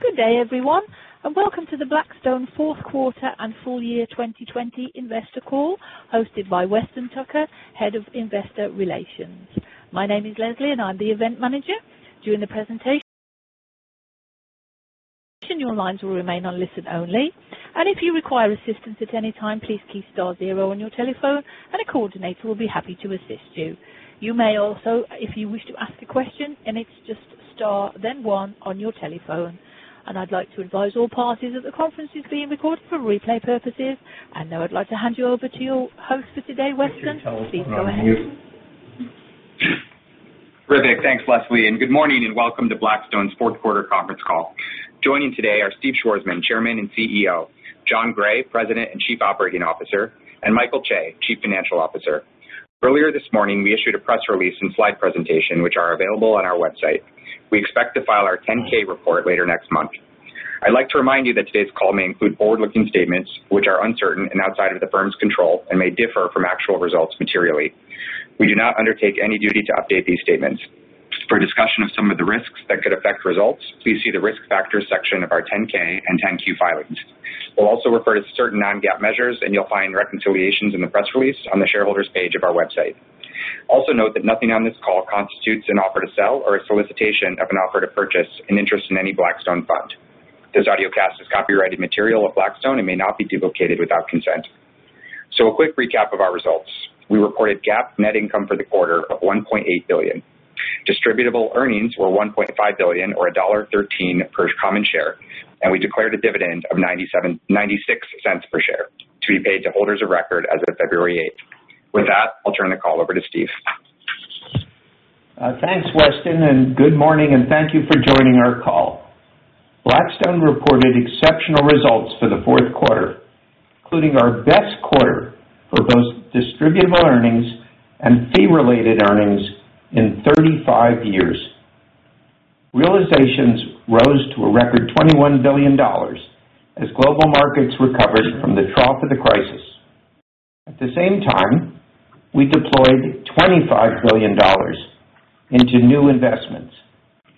Good day, everyone, and welcome to the Blackstone fourth quarter and full year 2020 investor call, hosted by Weston Tucker, Head of Investor Relations. My name is Leslie, and I'm the event manager. During the presentation, your lines will remain on listen only, and if you require assistance at any time, please key star zero on your telephone, and a coordinator will be happy to assist you. You may also, if you wish to ask a question, and it's just star, then one on your telephone. I'd like to advise all parties that the conference is being recorded for replay purposes. Now I'd like to hand you over to your host for today, Weston. Please go ahead. Perfect. Thanks, Leslie, and good morning, and welcome to Blackstone's fourth quarter conference call. Joining today are Steve Schwarzman, Chairman and CEO, Jon Gray, President and Chief Operating Officer, and Michael Chae, Chief Financial Officer. Earlier this morning, we issued a press release and slide presentation, which are available on our website. We expect to file our 10-K report later next month. I'd like to remind you that today's call may include forward-looking statements, which are uncertain and outside of the firm's control and may differ from actual results materially. We do not undertake any duty to update these statements. For a discussion of some of the risks that could affect results, please see the Risk Factors section of our 10-K and 10-Q filings. We'll also refer to certain non-GAAP measures, and you'll find reconciliations in the press release on the Shareholders page of our website. Also note that nothing on this call constitutes an offer to sell or a solicitation of an offer to purchase an interest in any Blackstone fund. This audiocast is copyrighted material of Blackstone and may not be duplicated without consent. A quick recap of our results. We reported GAAP net income for the quarter of $1.8 billion. Distributable earnings were $1.5 billion or $1.13 per common share, and we declared a dividend of $0.96 per share to be paid to holders of record as of February 8. With that, I'll turn the call over to Steve. Thanks, Weston, and good morning, and thank you for joining our call. Blackstone reported exceptional results for the fourth quarter, including our best quarter for both distributable earnings and fee-related earnings in 35 years. Realizations rose to a record $21 billion as global markets recovered from the trough of the crisis. At the same time, we deployed $25 billion into new investments.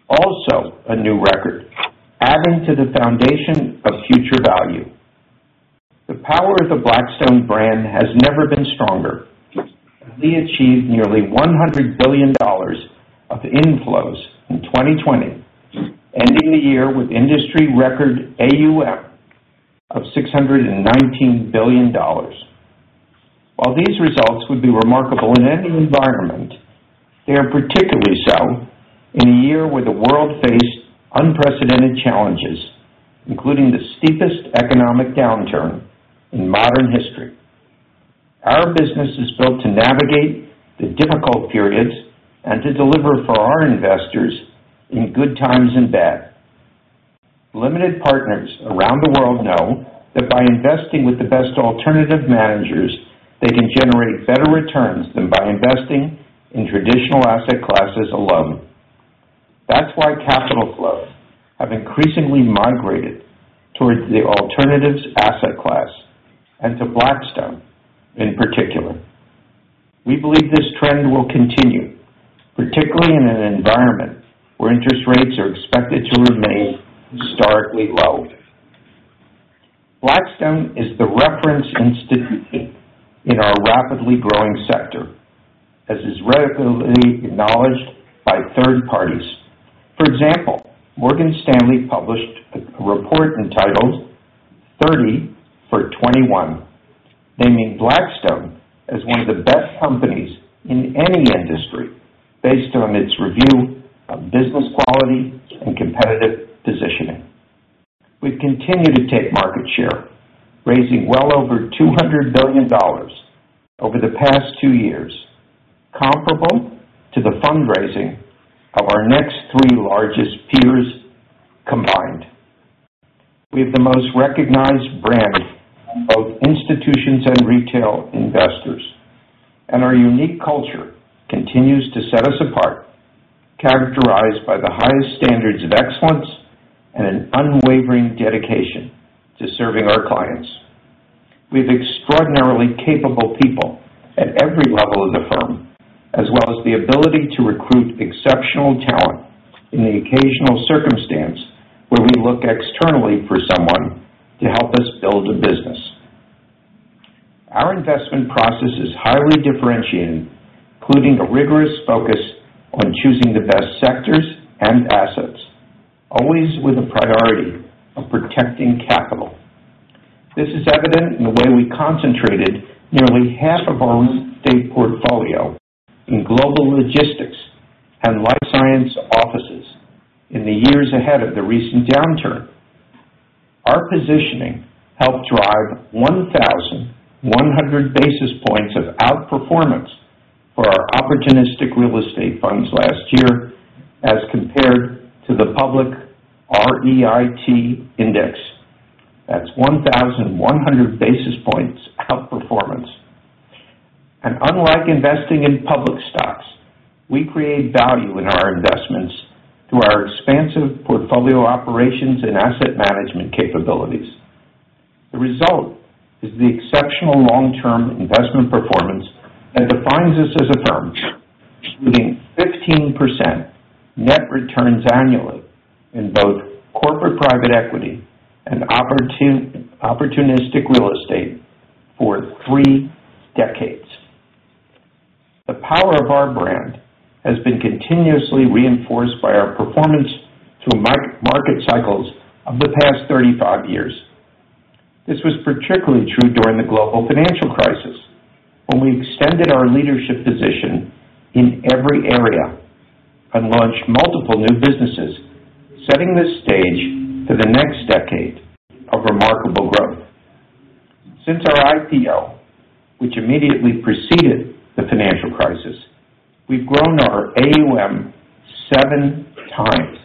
Also a new record, adding to the foundation of future value. The power of the Blackstone brand has never been stronger. We achieved nearly $100 billion of inflows in 2020, ending the year with industry record AUM of $619 billion. While these results would be remarkable in any environment, they are particularly so in a year where the world faced unprecedented challenges, including the steepest economic downturn in modern history. Our business is built to navigate the difficult periods and to deliver for our investors in good times and bad. Limited partners around the world know that by investing with the best alternative managers, they can generate better returns than by investing in traditional asset classes alone. That's why capital flows have increasingly migrated towards the alternatives asset class, and to Blackstone in particular. We believe this trend will continue, particularly in an environment where interest rates are expected to remain historically low. Blackstone is the reference institute in our rapidly growing sector, as is regularly acknowledged by third parties. For example, Morgan Stanley published a report entitled 30 for 2021, naming Blackstone as one of the best companies in any industry based on its review of business quality and competitive positioning. We continue to take market share, raising well over $200 billion over the past two years, comparable to the fundraising of our next three largest peers combined. We have the most recognized brand of institutions and retail investors, and our unique culture continues to set us apart, characterized by the highest standards of excellence and an unwavering dedication to serving our clients. We have extraordinarily capable people at every level of the firm, as well as the ability to recruit exceptional talent in the occasional circumstance where we look externally for someone to help us build a business. Our investment process is highly differentiating, including a rigorous focus on choosing the best sectors and assets, always with a priority of protecting capital. This is evident in the way we concentrated nearly half of our real estate portfolio in global logistics and life sciences offices in the years ahead of the recent downturn. Our positioning helped drive 1,100 basis points of outperformance for our opportunistic real estate funds last year as compared to the public REIT index. That's 1,100 basis points outperformance. Unlike investing in public stocks, we create value in our investments through our expansive portfolio operations and asset management capabilities. The result is the exceptional long-term investment performance that defines us as a firm, including 15% net returns annually in both corporate private equity and opportunistic real estate for three decades. The power of our brand has been continuously reinforced by our performance through market cycles of the past 35 years. This was particularly true during the global financial crisis, when we extended our leadership position in every area and launched multiple new businesses, setting the stage for the next decade of remarkable growth. Since our IPO, which immediately preceded the financial crisis, we've grown our AUM seven times,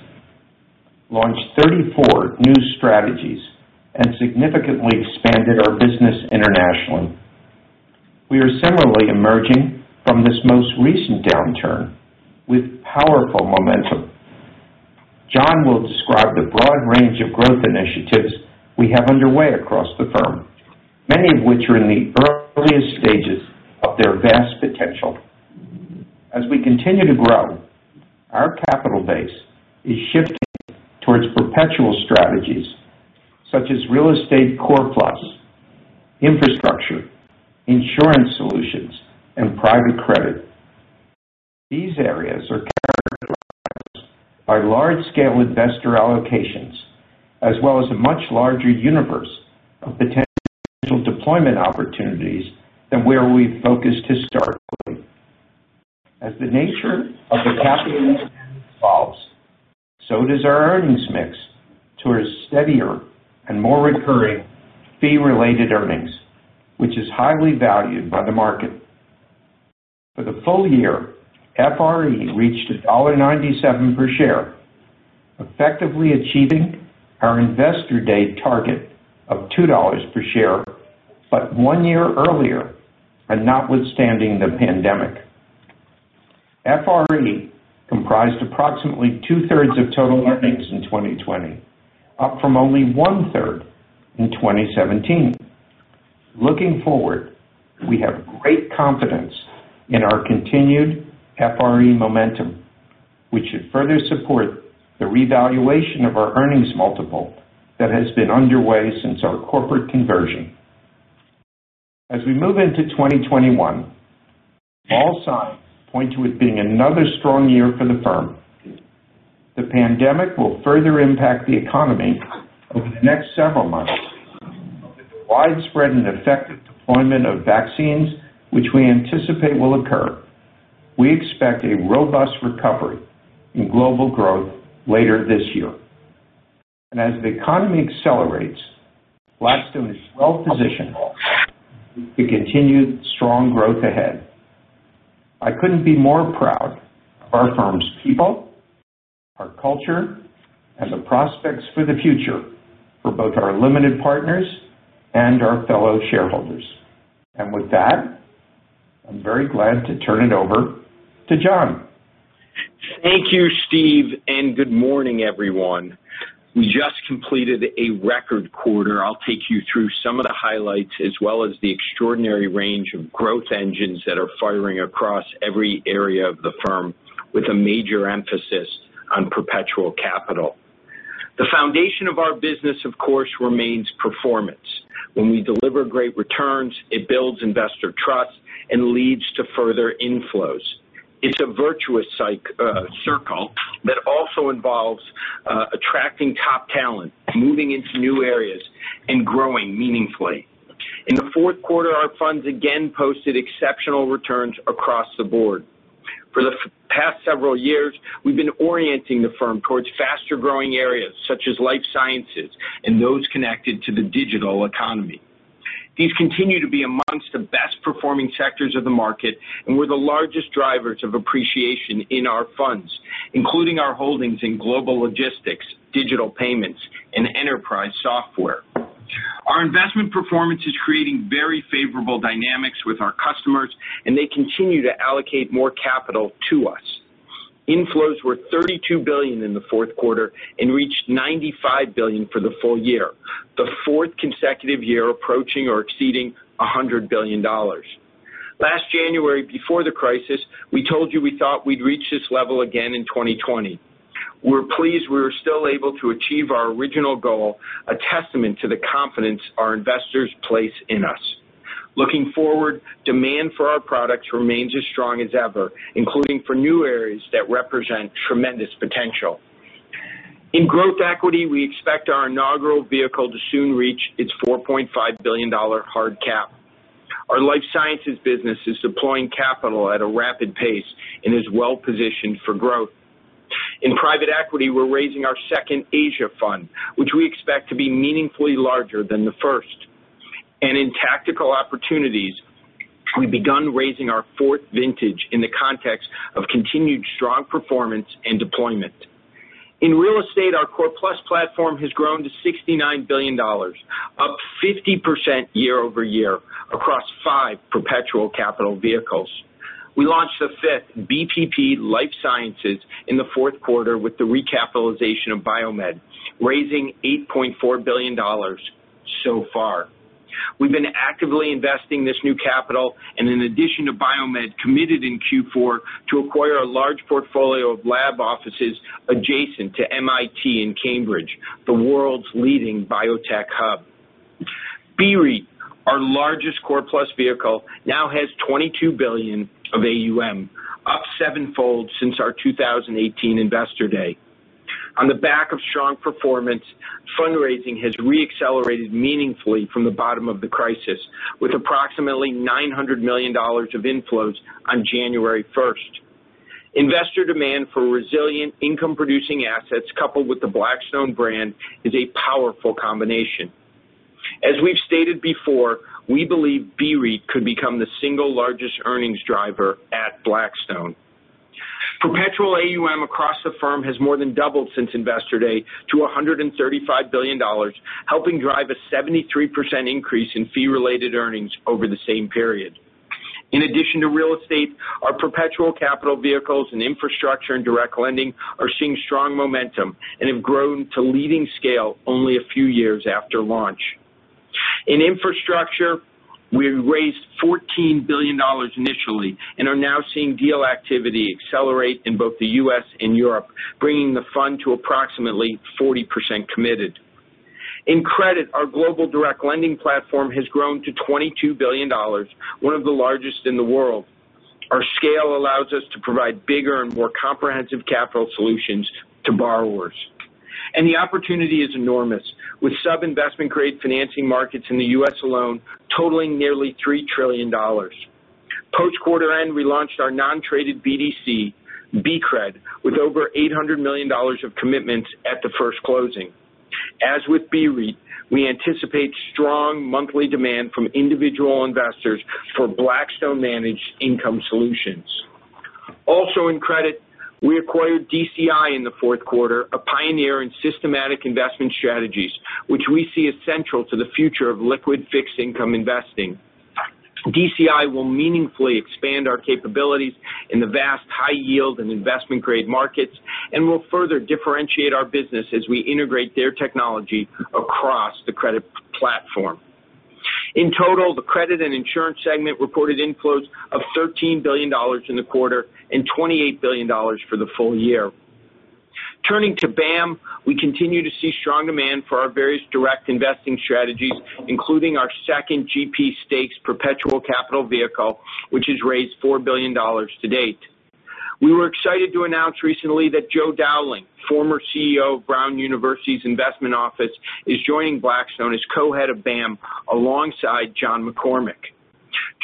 launched 34 new strategies, and significantly expanded our business internationally. We are similarly emerging from this most recent downturn with powerful momentum. Jon will describe the broad range of growth initiatives we have underway across the firm, many of which are in the earliest stages of their vast potential. As we continue to grow, our capital base is shifting towards perpetual strategies such as Real Estate Core+ infrastructure, insurance solutions, and private credit. These areas are characterized by large-scale investor allocations as well as a much larger universe of potential deployment opportunities than where we focused historically. As the nature of the capital evolves, so does our earnings mix towards steadier and more recurring fee-related earnings, which is highly valued by the market. For the full year, FRE reached $1.97 per share, effectively achieving our Investor Day target of $2 per share, but one year earlier, and notwithstanding the pandemic. FRE comprised approximately 2/3 of total earnings in 2020, up from only 1/3 in 2017. Looking forward, we have great confidence in our continued FRE momentum, which should further support the revaluation of our earnings multiple that has been underway since our corporate conversion. As we move into 2021, all signs point to it being another strong year for the firm. The pandemic will further impact the economy over the next several months. With the widespread and effective deployment of vaccines, which we anticipate will occur, we expect a robust recovery in global growth later this year. As the economy accelerates, Blackstone is well-positioned to continue strong growth ahead. I couldn't be more proud of our firm's people, our culture, and the prospects for the future for both our limited partners and our fellow shareholders. With that, I'm very glad to turn it over to Jon. Thank you, Steve. Good morning, everyone. We just completed a record quarter. I'll take you through some of the highlights as well as the extraordinary range of growth engines that are firing across every area of the firm, with a major emphasis on perpetual capital. The foundation of our business, of course, remains performance. When we deliver great returns, it builds investor trust and leads to further inflows. It's a virtuous circle that also involves attracting top talent, moving into new areas, and growing meaningfully. In the fourth quarter, our funds again posted exceptional returns across the board. For the past several years, we've been orienting the firm towards faster-growing areas such as life sciences and those connected to the digital economy. These continue to be amongst the best-performing sectors of the market and were the largest drivers of appreciation in our funds, including our holdings in global logistics, digital payments, and enterprise software. Our investment performance is creating very favorable dynamics with our customers, and they continue to allocate more capital to us. Inflows were $32 billion in the fourth quarter and reached $95 billion for the full year, the fourth consecutive year approaching or exceeding $100 billion. Last January, before the crisis, we told you we thought we'd reach this level again in 2020. We're pleased we were still able to achieve our original goal, a testament to the confidence our investors place in us. Looking forward, demand for our products remains as strong as ever, including for new areas that represent tremendous potential. In growth equity, we expect our inaugural vehicle to soon reach its $4.5 billion hard cap. Our life sciences business is deploying capital at a rapid pace and is well-positioned for growth. In private equity, we're raising our second Asia fund, which we expect to be meaningfully larger than the first. In Tactical Opportunities, we've begun raising our fourth vintage in the context of continued strong performance and deployment. In real estate, our Core+ platform has grown to $69 billion, up 50% year-over-year across five perpetual capital vehicles. We launched the fifth BPP Life Sciences in the fourth quarter with the recapitalization of BioMed, raising $8.4 billion so far. We've been actively investing this new capital. In addition to BioMed, committed in Q4 to acquire a large portfolio of lab offices adjacent to MIT in Cambridge, the world's leading biotech hub. BREIT, our largest Core+ vehicle, now has $22 billion of AUM, up sevenfold since our 2018 Investor Day. On the back of strong performance, fundraising has re-accelerated meaningfully from the bottom of the crisis, with approximately $900 million of inflows on January 1st. Investor demand for resilient income-producing assets coupled with the Blackstone brand is a powerful combination. As we've stated before, we believe BREIT could become the single largest earnings driver at Blackstone. Perpetual AUM across the firm has more than doubled since Investor Day to $135 billion, helping drive a 73% increase in fee-related earnings over the same period. In addition to real estate, our perpetual capital vehicles in infrastructure and direct lending are seeing strong momentum and have grown to leading scale only a few years after launch. In infrastructure, we raised $14 billion initially and are now seeing deal activity accelerate in both the U.S. and Europe, bringing the fund to approximately 40% committed. In credit, our global direct lending platform has grown to $22 billion, one of the largest in the world. Our scale allows us to provide bigger and more comprehensive capital solutions to borrowers. The opportunity is enormous, with sub-investment grade financing markets in the U.S. alone totaling nearly $3 trillion. Post quarter end, we launched our non-traded BDC, BCRED, with over $800 million of commitments at the first closing. As with BREIT, we anticipate strong monthly demand from individual investors for Blackstone-managed income solutions. Also in credit, we acquired DCI in the fourth quarter, a pioneer in systematic investment strategies, which we see as central to the future of liquid fixed income investing. DCI will meaningfully expand our capabilities in the vast high yield and investment-grade markets, and will further differentiate our business as we integrate their technology across the credit platform. In total, the credit and insurance segment reported inflows of $13 billion in the quarter and $28 billion for the full year. Turning to BAAM, we continue to see strong demand for our various direct investing strategies, including our second GP stakes perpetual capital vehicle, which has raised $4 billion to date. We were excited to announce recently that Joe Dowling, former CEO of Brown University's investment office, is joining Blackstone as co-head of BAAM alongside John McCormick.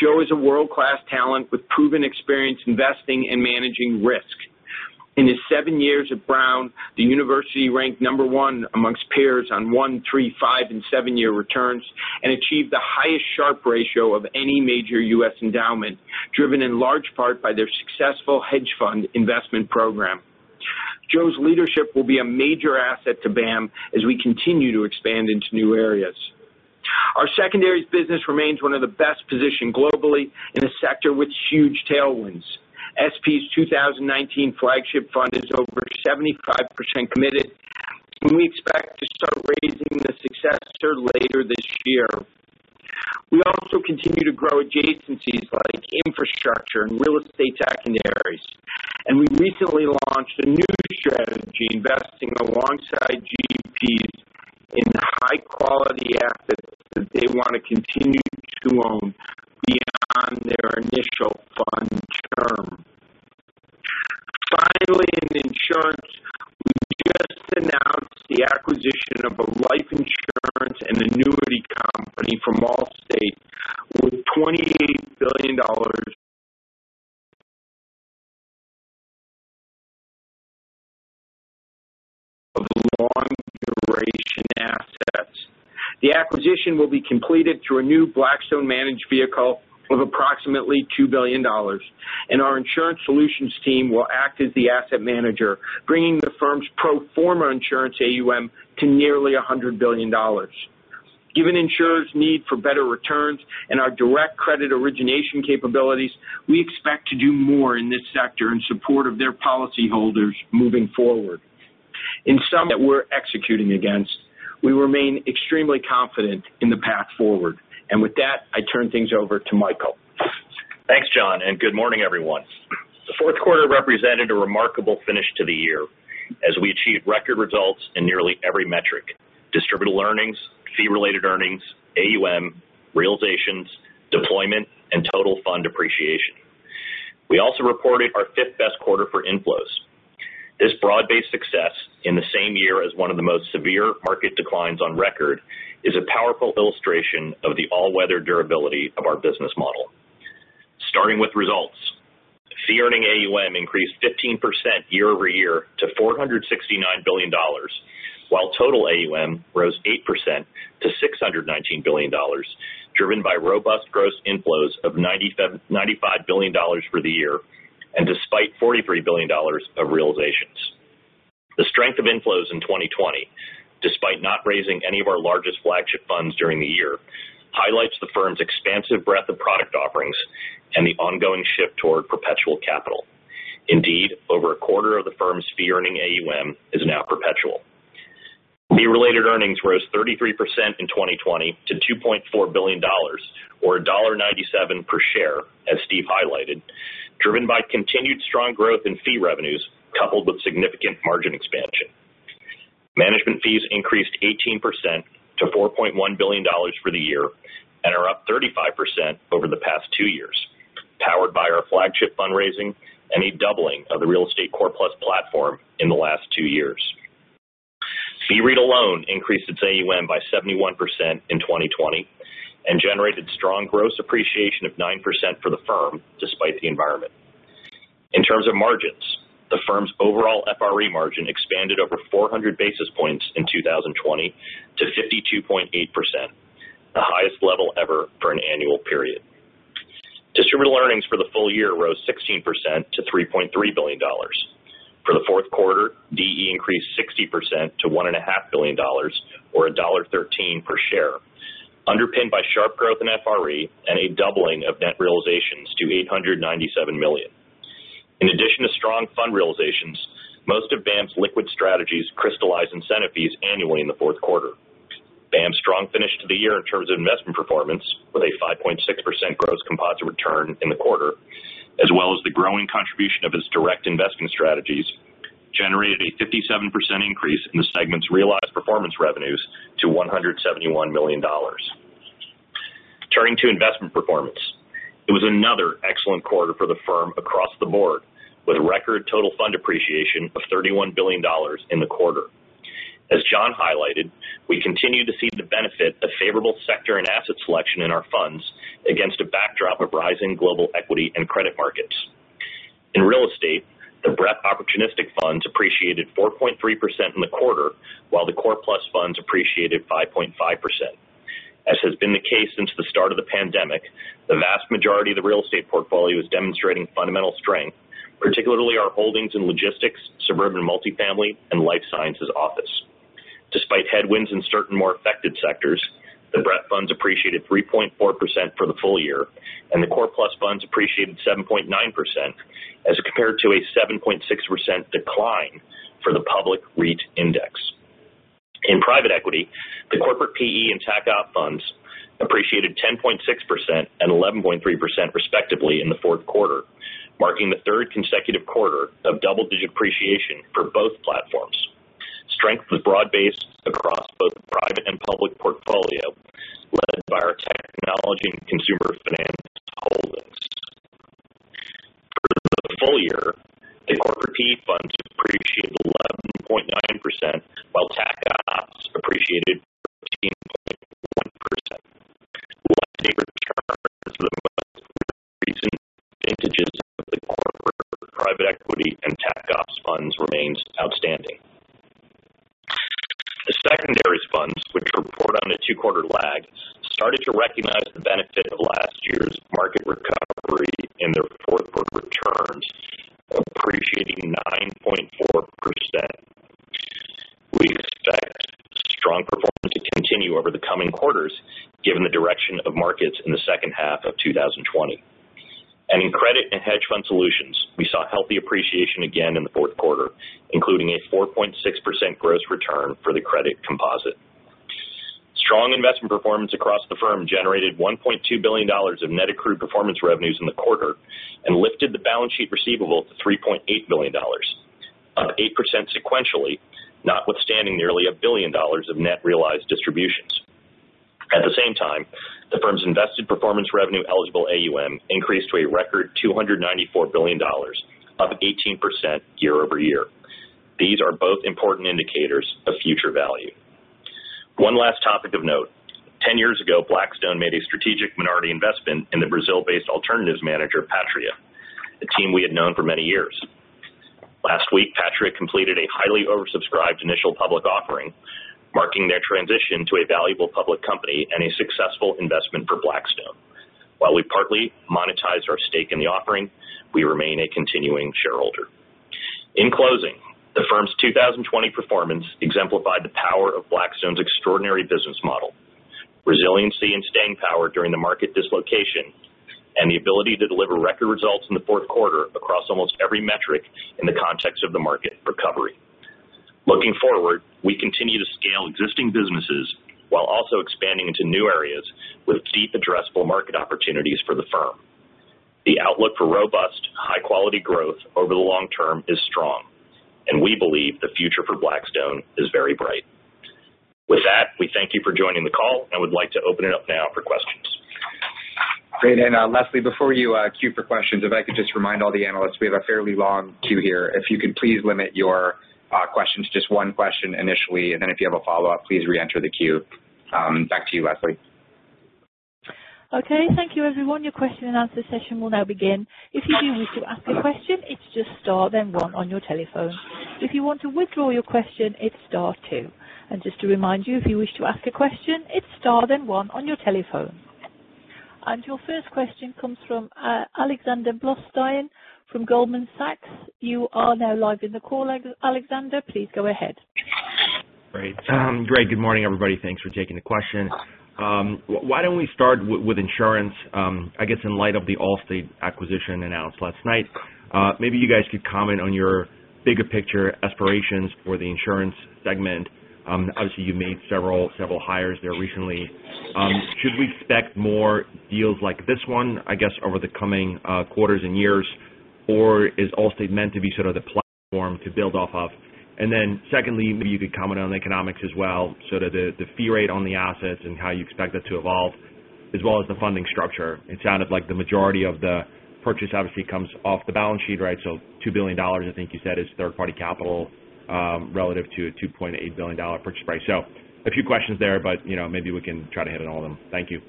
Joe is a world-class talent with proven experience investing and managing risk. In his seven years at Brown, the university ranked number one amongst peers on one, three, five, and seven-year returns and achieved the highest Sharpe ratio of any major U.S. endowment, driven in large part by their successful hedge fund investment program. Joe's leadership will be a major asset to BAAM as we continue to expand into new areas. Our secondaries business remains one of the best positioned globally in a sector with huge tailwinds. SP's 2019 flagship fund is over 75% committed, and we expect to start raising the successor later this year. We also continue to grow adjacencies like infrastructure and real estate secondaries, and we recently launched a new strategy investing alongside GPs in high-quality assets that they want to continue to own beyond their initial fund term. Finally, in insurance, we just announced the acquisition of a life insurance and annuity company from Allstate with $28 billion of long-duration assets. The acquisition will be completed through a new Blackstone managed vehicle of approximately $2 billion, and our insurance solutions team will act as the asset manager, bringing the firm's pro forma insurance AUM to nearly $100 billion. Given insurers' need for better returns and our direct credit origination capabilities, we expect to do more in this sector in support of their policyholders moving forward. In sum that we're executing against, we remain extremely confident in the path forward. With that, I turn things over to Michael. Thanks, Jon, good morning, everyone. The fourth quarter represented a remarkable finish to the year as we achieved record results in nearly every metric: distributable earnings, fee-related earnings, AUM, realizations, deployment, and total fund appreciation. We also reported our fifth-best quarter for inflows. This broad-based success in the same year as one of the most severe market declines on record is a powerful illustration of the all-weather durability of our business model. Starting with results. Fee earning AUM increased 15% year-over-year to $469 billion, while total AUM rose 8% to $619 billion, driven by robust gross inflows of $95 billion for the year and despite $43 billion of realizations. The strength of inflows in 2020, despite not raising any of our largest flagship funds during the year, highlights the firm's expansive breadth of product offerings and the ongoing shift toward perpetual capital. Indeed, over a quarter of the firm's fee-earning AUM is now perpetual. Fee-related earnings rose 33% in 2020 to $2.4 billion, or $1.97 per share, as Steve highlighted, driven by continued strong growth in fee revenues coupled with significant margin expansion. Management fees increased 18% to $4.1 billion for the year, and are up 35% over the past two years, powered by our flagship fundraising and a doubling of the Real Estate Core+ platform in the last two years. BREIT alone increased its AUM by 71% in 2020 and generated strong gross appreciation of 9% for the firm, despite the environment. In terms of margins, the firm's overall FRE margin expanded over 400 basis points in 2020 to 52.8%, the highest level ever for an annual period. Distributable earnings for the full year rose 16% to $3.3 billion. For the fourth quarter, DE increased 60% to $1.5 billion, or $1.13 per share, underpinned by sharp growth in FRE and a doubling of net realizations to $897 million. In addition to strong fund realizations, most of BAAM's liquid strategies crystallize incentive fees annually in the fourth quarter. BAAM's strong finish to the year in terms of investment performance, with a 5.6% gross composite return in the quarter, as well as the growing contribution of its direct investment strategies, generated a 57% increase in the segment's realized performance revenues to $171 million. Turning to investment performance. It was another excellent quarter for the firm across the board, with record total fund appreciation of $31 billion in the quarter. As Jon highlighted, we continue to see the benefit of favorable sector and asset selection in our funds against a backdrop of rising global equity and credit markets. In real estate, the BREP opportunistic funds appreciated 4.3% in the quarter, while the Core+ funds appreciated 5.5%. As has been the case since the start of the pandemic, the vast majority of the real estate portfolio is demonstrating fundamental strength, particularly our holdings in logistics, suburban multifamily, and life sciences office. Despite headwinds in certain more affected sectors, the BREP funds appreciated 3.4% for the full year, and the Core+ funds appreciated 7.9%, as compared to a 7.6% decline for the public REIT index. In private equity, the corporate PE and Tac Opps funds appreciated 10.6% and 11.3%, respectively, in the fourth quarter, marking the third consecutive quarter of double-digit appreciation for both platforms. Strength was broad-based across both private and public portfolio, led by our technology and consumer finance holdings. For the full year, the corporate PE funds appreciated 11.9%, while Tac Opps appreciated 13.1%. Returns for the most recent vintages of the corporate private equity and Tac Opps funds remains outstanding. The secondaries funds, which report on a two-quarter lag, started to recognize the benefit of last year's market recovery in their report book returns, appreciating 9.4%. We expect strong performance to continue over the coming quarters given the direction of markets in the second half of 2020. In credit and hedge fund solutions, we saw healthy appreciation again in the fourth quarter, including a 4.6% gross return for the credit composite. Strong investment performance across the firm generated $1.2 billion of net accrued performance revenues in the quarter and lifted the balance sheet receivable to $3.8 billion, up 8% sequentially, notwithstanding nearly $1 billion of net realized distributions. At the same time, the firm's invested performance revenue eligible AUM increased to a record $294 billion, up 18% year-over-year. These are both important indicators of future value. One last topic of note. 10 years ago, Blackstone made a strategic minority investment in the Brazil-based alternatives manager, Patria, a team we had known for many years. Last week, Patria completed a highly oversubscribed initial public offering, marking their transition to a valuable public company and a successful investment for Blackstone. While we partly monetized our stake in the offering, we remain a continuing shareholder. In closing, the firm's 2020 performance exemplified the power of Blackstone's extraordinary business model, resiliency, and staying power during the market dislocation, and the ability to deliver record results in the fourth quarter across almost every metric in the context of the market recovery. Looking forward, we continue to scale existing businesses while also expanding into new areas with deep addressable market opportunities for the firm. The outlook for robust, high-quality growth over the long term is strong, and we believe the future for Blackstone is very bright. With that, we thank you for joining the call and would like to open it up now for questions. Great. Leslie, before you queue for questions, if I could just remind all the analysts we have a fairly long queue here. If you could please limit your questions to just one question initially, and then if you have a follow-up, please reenter the queue. Back to you, Leslie. Okay. Thank you everyone. Your question and answer session will now begin. If you do wish to ask a question, it's just star then one on your telephone. If you want to withdraw your question, it's star two. Just to remind you, if you wish to ask a question, it's star then one on your telephone. Your first question comes from Alexander Blostein from Goldman Sachs. You are now live in the call, Alexander, please go ahead. Great. Good morning, everybody. Thanks for taking the question. Why don't we start with insurance, I guess in light of the Allstate acquisition announced last night. Maybe you guys could comment on your bigger picture aspirations for the insurance segment. Obviously, you've made several hires there recently. Should we expect more deals like this one, I guess, over the coming quarters and years, or is Allstate meant to be sort of the platform to build off of? Secondly, maybe you could comment on economics as well, so the fee rate on the assets and how you expect that to evolve, as well as the funding structure. It sounded like the majority of the purchase obviously comes off the balance sheet, right? $2 billion, I think you said, is third-party capital, relative to a $2.8 billion purchase price. A few questions there, but maybe we can try to hit on all of them. Thank you.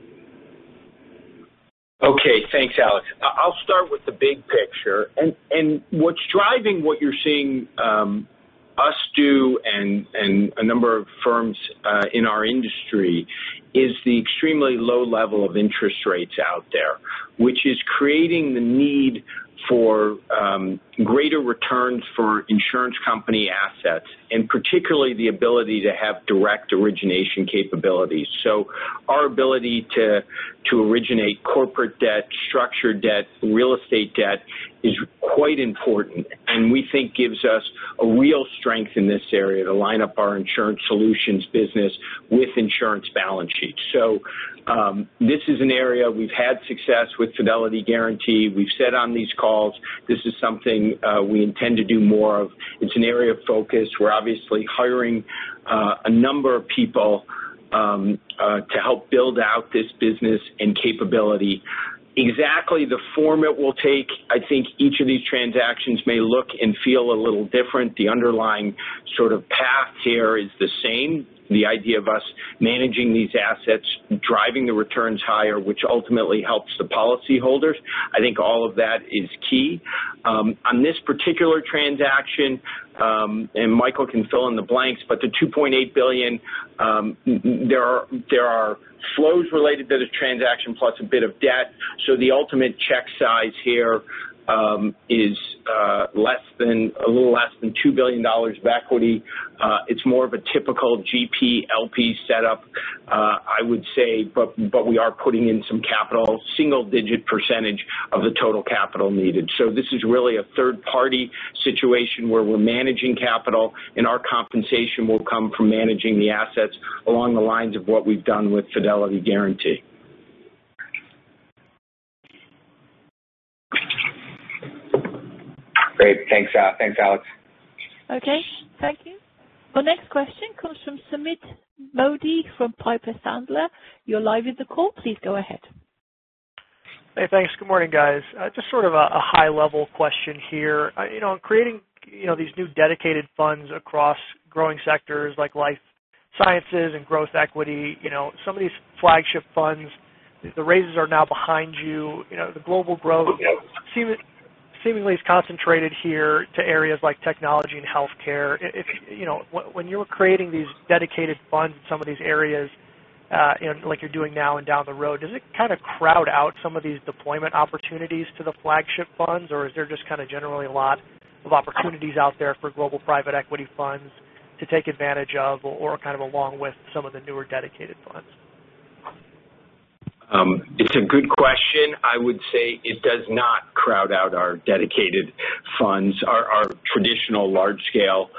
Okay. Thanks, Alex. I'll start with the big picture. What's driving what you're seeing us do and a number of firms in our industry is the extremely low level of interest rates out there, which is creating the need for greater returns for insurance company assets, and particularly the ability to have direct origination capabilities. Our ability to originate corporate debt, structured debt, real estate debt, is quite important, and we think gives us a real strength in this area to line up our insurance solutions business with insurance balance sheets. This is an area we've had success with Fidelity & Guaranty. We've said on these calls, this is something we intend to do more of an area of focus. We're obviously hiring a number of people to help build out this business and capability. Exactly the form it will take, I think each of these transactions may look and feel a little different. The underlying path here is the same. The idea of us managing these assets, driving the returns higher, which ultimately helps the policyholders. I think all of that is key. On this particular transaction, Michael can fill in the blanks, but the $2.8 billion, there are flows related to the transaction plus a bit of debt, so the ultimate check size here is a little less than $2 billion of equity. It's more of a typical GP LP setup, I would say, but we are putting in some capital, single-digit percentage of the total capital needed. This is really a third-party situation where we're managing capital, and our compensation will come from managing the assets along the lines of what we've done with Fidelity & Guaranty. Great. Thanks, Alex. Okay. Thank you. Our next question comes from Sumeet Mody from Piper Sandler. You're live in the call. Please go ahead. Hey, thanks. Good morning, guys. Just sort of a high-level question here. Creating these new dedicated funds across growing sectors like life sciences and growth equity, some of these flagship funds, the raises are now behind you. The global growth seemingly is concentrated here to areas like technology and healthcare. When you were creating these dedicated funds in some of these areas, like you're doing now and down the road, does it kind of crowd out some of these deployment opportunities to the flagship funds? Is there just kind of generally a lot of opportunities out there for global private equity funds to take advantage of or kind of along with some of the newer dedicated funds? It's a good question. I would say it does not crowd out our dedicated funds, our traditional large-scale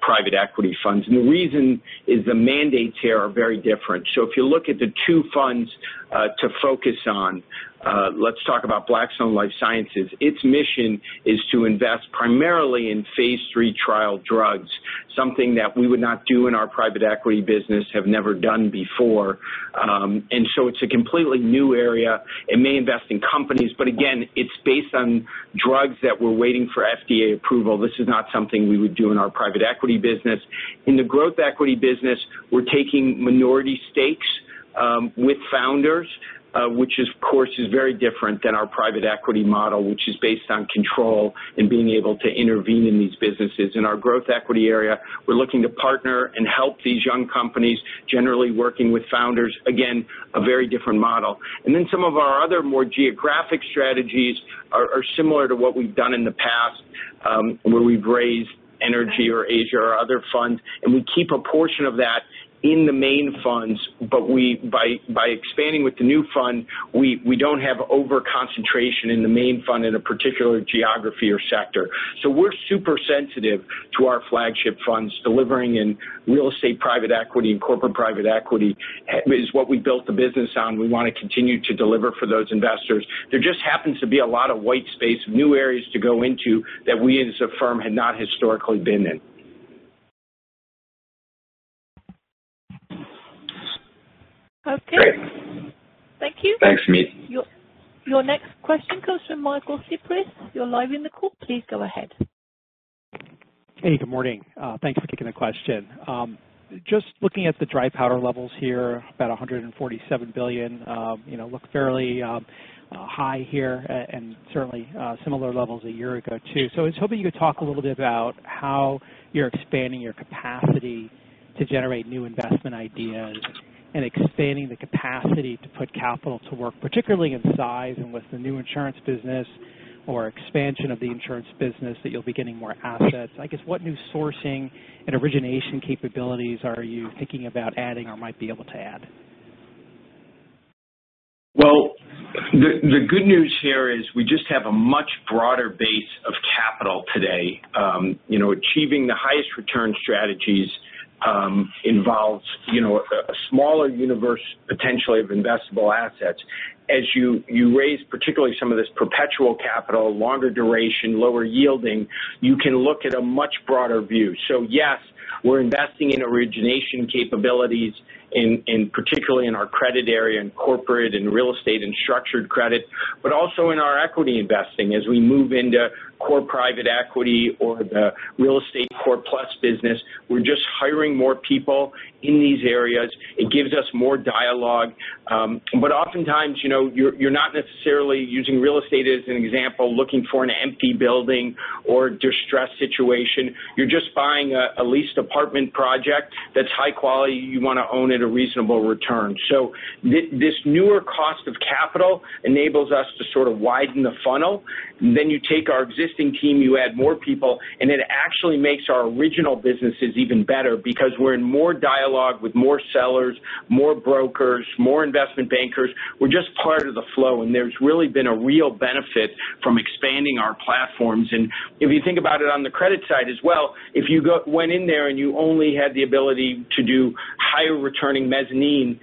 private equity funds. The reason is the mandates here are very different. If you look at the two funds to focus on, let's talk about Blackstone Life Sciences. Its mission is to invest primarily in phase III trial drugs, something that we would not do in our private equity business, have never done before. It's a completely new area. It may invest in companies, but again, it's based on drugs that we're waiting for FDA approval. This is not something we would do in our private equity business. In the growth equity business, we're taking minority stakes with founders, which of course is very different than our private equity model, which is based on control and being able to intervene in these businesses. In our growth equity area, we're looking to partner and help these young companies, generally working with founders. Again, a very different model. Some of our other more geographic strategies are similar to what we've done in the past, where we've raised energy or Asia or other funds, and we keep a portion of that in the main funds. By expanding with the new fund, we don't have over-concentration in the main fund in a particular geography or sector. We're super sensitive to our flagship funds delivering in real estate private equity and corporate private equity is what we built the business on. We want to continue to deliver for those investors. There just happens to be a lot of white space, new areas to go into that we as a firm had not historically been in. Okay. Great. Thank you. Thanks, Sumeet. Your next question comes from Michael Cyprys. You're live in the call. Please go ahead. Hey, good morning. Thanks for taking the question. Looking at the dry powder levels here, about $147 billion, look fairly high here, and certainly similar levels a year ago, too. I was hoping you could talk a little bit about how you're expanding your capacity to generate new investment ideas and expanding the capacity to put capital to work, particularly in size and with the new insurance business or expansion of the insurance business, that you'll be getting more assets. I guess, what new sourcing and origination capabilities are you thinking about adding or might be able to add? Well, the good news here is we just have a much broader base of capital today. Achieving the highest return strategies involves a smaller universe, potentially, of investable assets. As you raise, particularly some of this perpetual capital, longer duration, lower yielding, you can look at a much broader view. Yes, we're investing in origination capabilities, particularly in our credit area, in corporate, in real estate, and structured credit, but also in our equity investing. As we move into core private equity or the Real Estate Core+ business, we're just hiring more people in these areas. It gives us more dialogue. Oftentimes, you're not necessarily, using real estate as an example, looking for an empty building or distressed situation. You're just buying a leased apartment project that's high quality, you want to own at a reasonable return. This newer cost of capital enables us to sort of widen the funnel. You take our existing team, you add more people, and it actually makes our original businesses even better because we're in more dialogue with more sellers, more brokers, more investment bankers. We're just part of the flow, and there's really been a real benefit from expanding our platforms. If you think about it on the credit side as well, if you went in there and you only had the ability to do higher returning mezzanine,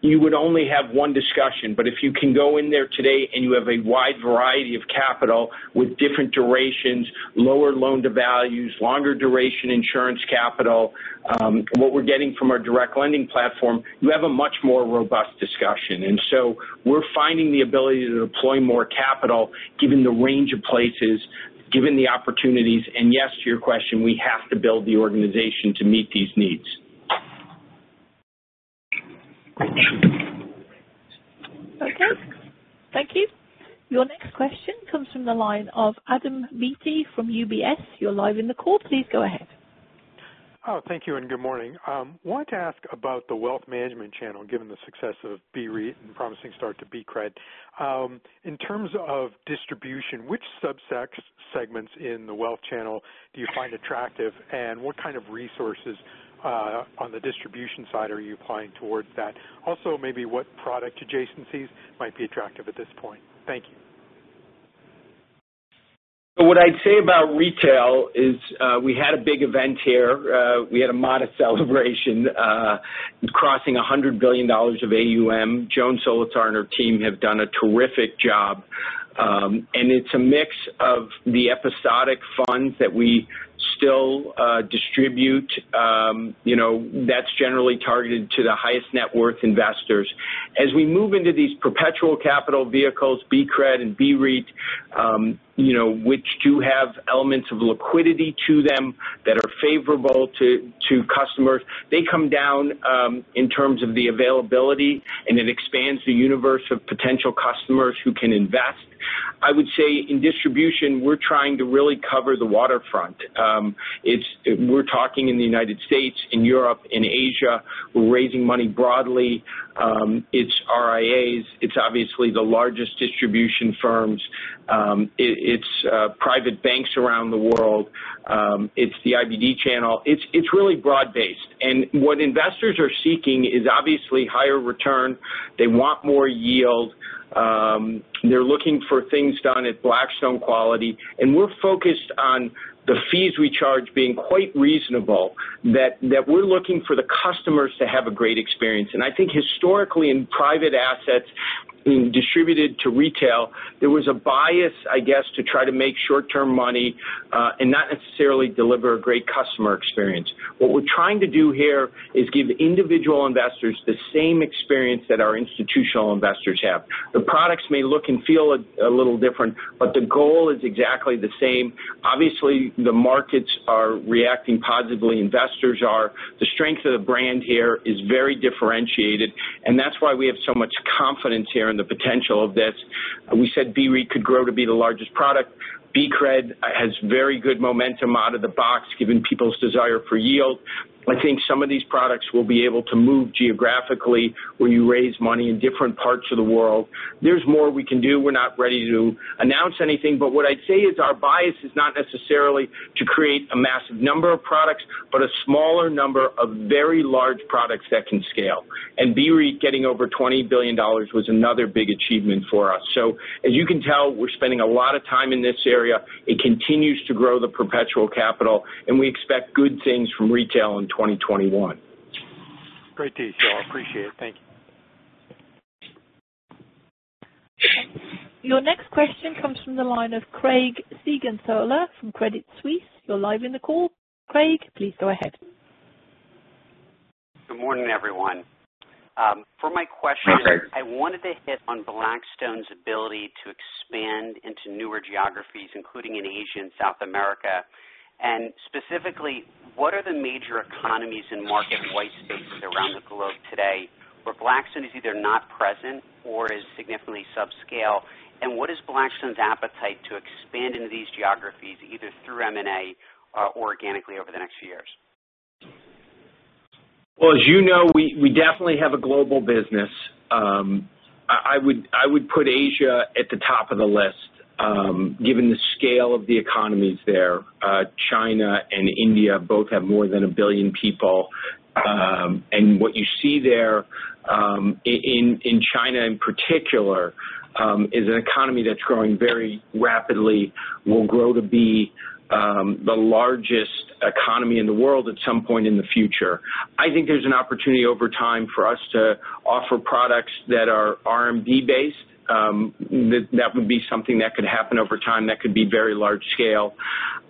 you would only have one discussion. If you can go in there today and you have a wide variety of capital with different durations, lower loan-to-values, longer duration insurance capital, what we're getting from our direct lending platform, you have a much more robust discussion. We're finding the ability to deploy more capital given the range of places, given the opportunities, and yes, to your question, we have to build the organization to meet these needs. Okay. Thank you. Your next question comes from the line of Adam Beatty from UBS. You are live in the call. Please go ahead. Thank you. Good morning. I wanted to ask about the wealth management channel, given the success of BREIT and promising start to BCRED. In terms of distribution, which subsegments in the wealth channel do you find attractive? What kind of resources, on the distribution side, are you applying towards that? Maybe what product adjacencies might be attractive at this point? Thank you. What I'd say about retail is we had a big event here. We had a modest celebration, crossing $100 billion of AUM. Joan Solotar and her team have done a terrific job. It's a mix of the episodic funds that we still distribute. That's generally targeted to the highest net worth investors. As we move into these perpetual capital vehicles, BCRED and BREIT, which do have elements of liquidity to them that are favorable to customers, they come down in terms of the availability, and it expands the universe of potential customers who can invest. I would say in distribution, we're trying to really cover the waterfront. We're talking in the U.S., in Europe, in Asia. We're raising money broadly. It's RIAs. It's obviously the largest distribution firms. It's private banks around the world. It's the IBD channel. It's really broad based. What investors are seeking is obviously higher return. They want more yield. They're looking for things done at Blackstone quality, and we're focused on the fees we charge being quite reasonable, that we're looking for the customers to have a great experience. I think historically in private assets being distributed to retail, there was a bias, I guess, to try to make short-term money and not necessarily deliver a great customer experience. What we're trying to do here is give individual investors the same experience that our institutional investors have. The products may look and feel a little different, but the goal is exactly the same. Obviously, the markets are reacting positively. Investors are. The strength of the brand here is very differentiated, and that's why we have so much confidence here in the potential of this. We said BREIT could grow to be the largest product. BCRED has very good momentum out of the box, given people's desire for yield. I think some of these products will be able to move geographically where you raise money in different parts of the world. There's more we can do. We're not ready to announce anything, but what I'd say is our bias is not necessarily to create a massive number of products, but a smaller number of very large products that can scale. BREIT getting over $20 billion was another big achievement for us. As you can tell, we're spending a lot of time in this area. It continues to grow the perpetual capital, and we expect good things from retail in 2021. Great to hear, Jon. Appreciate it. Thank you. Your next question comes from the line of Craig Siegenthaler from Credit Suisse. You are live in the call. Craig, please go ahead. Good morning, everyone. For my question- Hi, Craig I wanted to hit on Blackstone's ability to expand into newer geographies, including in Asia and South America. Specifically, what are the major economies and market white spaces around the globe today? Where Blackstone is either not present or is significantly subscale. What is Blackstone's appetite to expand into these geographies, either through M&A or organically over the next few years? Well, as you know, we definitely have a global business. I would put Asia at the top of the list, given the scale of the economies there. China and India both have more than 1 billion people. What you see there, in China in particular, is an economy that's growing very rapidly, will grow to be the largest economy in the world at some point in the future. I think there's an opportunity over time for us to offer products that are RMB based. That would be something that could happen over time, that could be very large scale.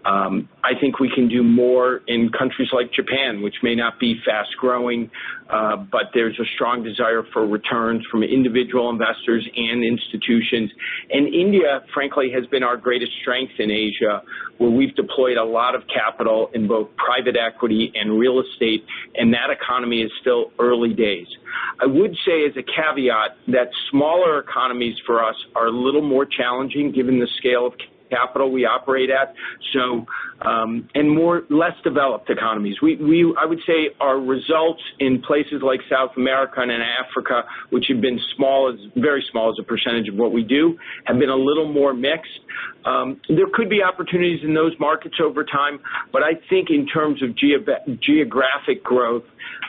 I think we can do more in countries like Japan, which may not be fast-growing, but there's a strong desire for returns from individual investors and institutions. India, frankly, has been our greatest strength in Asia, where we've deployed a lot of capital in both private equity and real estate, and that economy is still early days. I would say as a caveat, that smaller economies for us are a little more challenging given the scale of capital we operate at. More less developed economies. I would say our results in places like South America and in Africa, which have been very small as a percentage of what we do, have been a little more mixed. There could be opportunities in those markets over time, but I think in terms of geographic growth,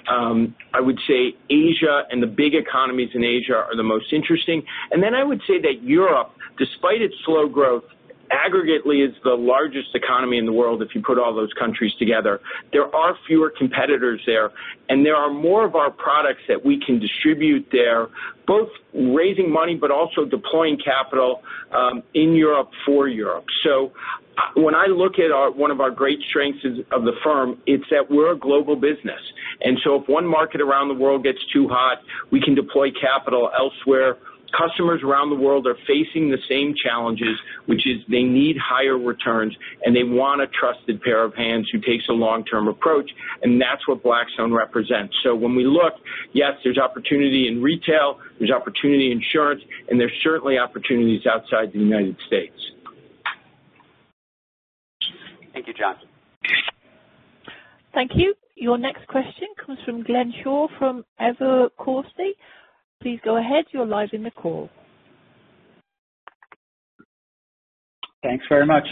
I would say Asia, and the big economies in Asia are the most interesting. Then I would say that Europe, despite its slow growth, aggregately is the largest economy in the world if you put all those countries together. There are fewer competitors there, and there are more of our products that we can distribute there, both raising money but also deploying capital in Europe for Europe. When I look at one of our great strengths of the firm, it's that we're a global business. If one market around the world gets too hot, we can deploy capital elsewhere. Customers around the world are facing the same challenges, which is they need higher returns, and they want a trusted pair of hands who takes a long-term approach, and that's what Blackstone represents. When we look, yes, there's opportunity in retail, there's opportunity in insurance, and there's certainly opportunities outside the United States. Thank you, Jon. Thank you. Your next question comes from Glenn Schorr from Evercore ISI. Please go ahead. You are live in the call. Thanks very much.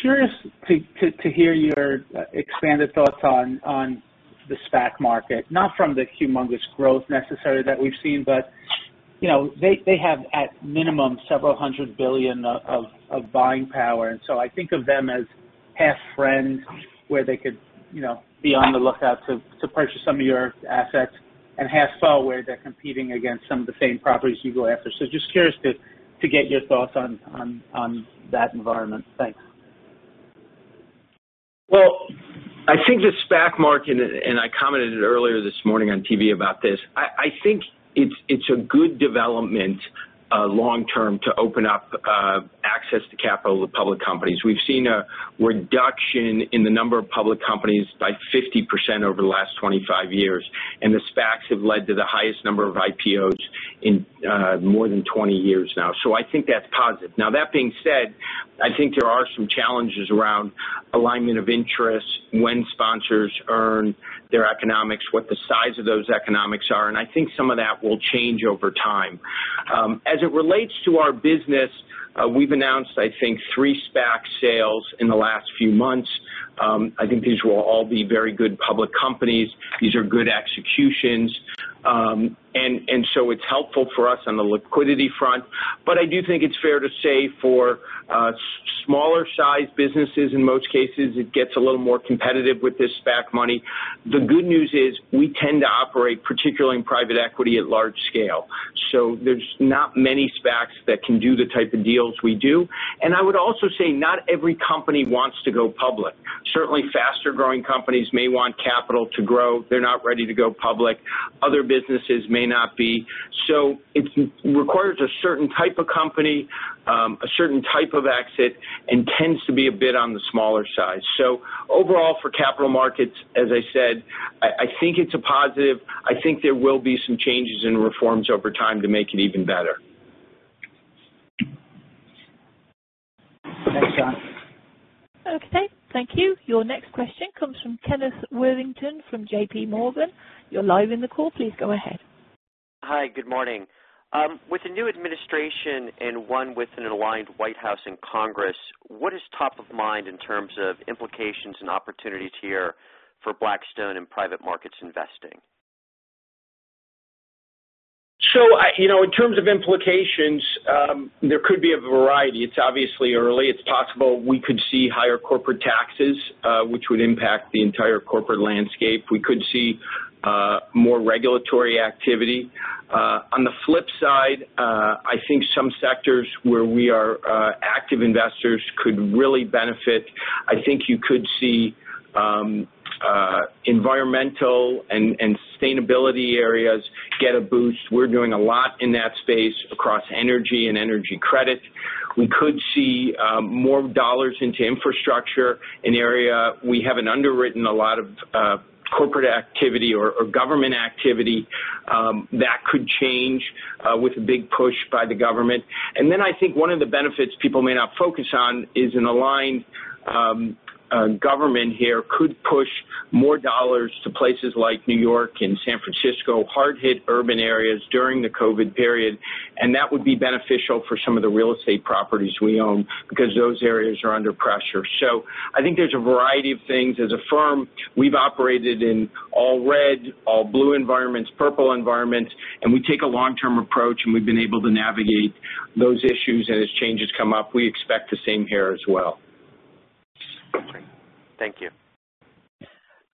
Curious to hear your expanded thoughts on the SPAC market, not from the humongous growth necessarily that we've seen, but they have at minimum several $100 billion of buying power. I think of them as half friends, where they could be on the lookout to purchase some of your assets, and half foe where they're competing against some of the same properties you go after. Just curious to get your thoughts on that environment. Thanks. Well, I think the SPAC market, and I commented earlier this morning on TV about this, I think it's a good development long term to open up access to capital with public companies. We've seen a reduction in the number of public companies by 50% over the last 25 years, and the SPACs have led to the highest number of IPOs in more than 20 years now. I think that's positive. Now, that being said, I think there are some challenges around alignment of interests when sponsors earn their economics, what the size of those economics are, and I think some of that will change over time. As it relates to our business, we've announced, I think, three SPAC sales in the last few months. I think these will all be very good public companies. These are good executions. It's helpful for us on the liquidity front. I do think it's fair to say for smaller-sized businesses, in most cases, it gets a little more competitive with this SPAC money. The good news is we tend to operate particularly in private equity at large scale. There's not many SPACs that can do the type of deals we do. I would also say not every company wants to go public. Certainly, faster-growing companies may want capital to grow. They're not ready to go public. Other businesses may not be. It requires a certain type of company, a certain type of exit, and tends to be a bit on the smaller size. Overall, for capital markets, as I said, I think it's a positive. I think there will be some changes and reforms over time to make it even better. Thanks, Jon. Okay. Thank you. Your next question comes from Kenneth Worthington from JPMorgan. You're live in the call. Please go ahead. Hi. Good morning. With the new administration and one with an aligned White House and Congress, what is top of mind in terms of implications and opportunities here for Blackstone and private markets investing? In terms of implications, there could be a variety. It's obviously early. It's possible we could see higher corporate taxes, which would impact the entire corporate landscape. We could see more regulatory activity. On the flip side, I think some sectors where we are active investors could really benefit. I think you could see environmental and sustainability areas get a boost. We're doing a lot in that space across energy and energy credit. We could see more dollars into infrastructure, an area we haven't underwritten a lot of corporate activity or government activity. That could change with a big push by the government. Then I think one of the benefits people may not focus on is an aligned government here could push more dollars to places like New York and San Francisco, hard-hit urban areas during the COVID period. That would be beneficial for some of the real estate properties we own because those areas are under pressure. I think there's a variety of things. As a firm, we've operated in all red, all blue environments, purple environments, and we take a long-term approach, and we've been able to navigate those issues. As changes come up, we expect the same here as well. Okay. Thank you.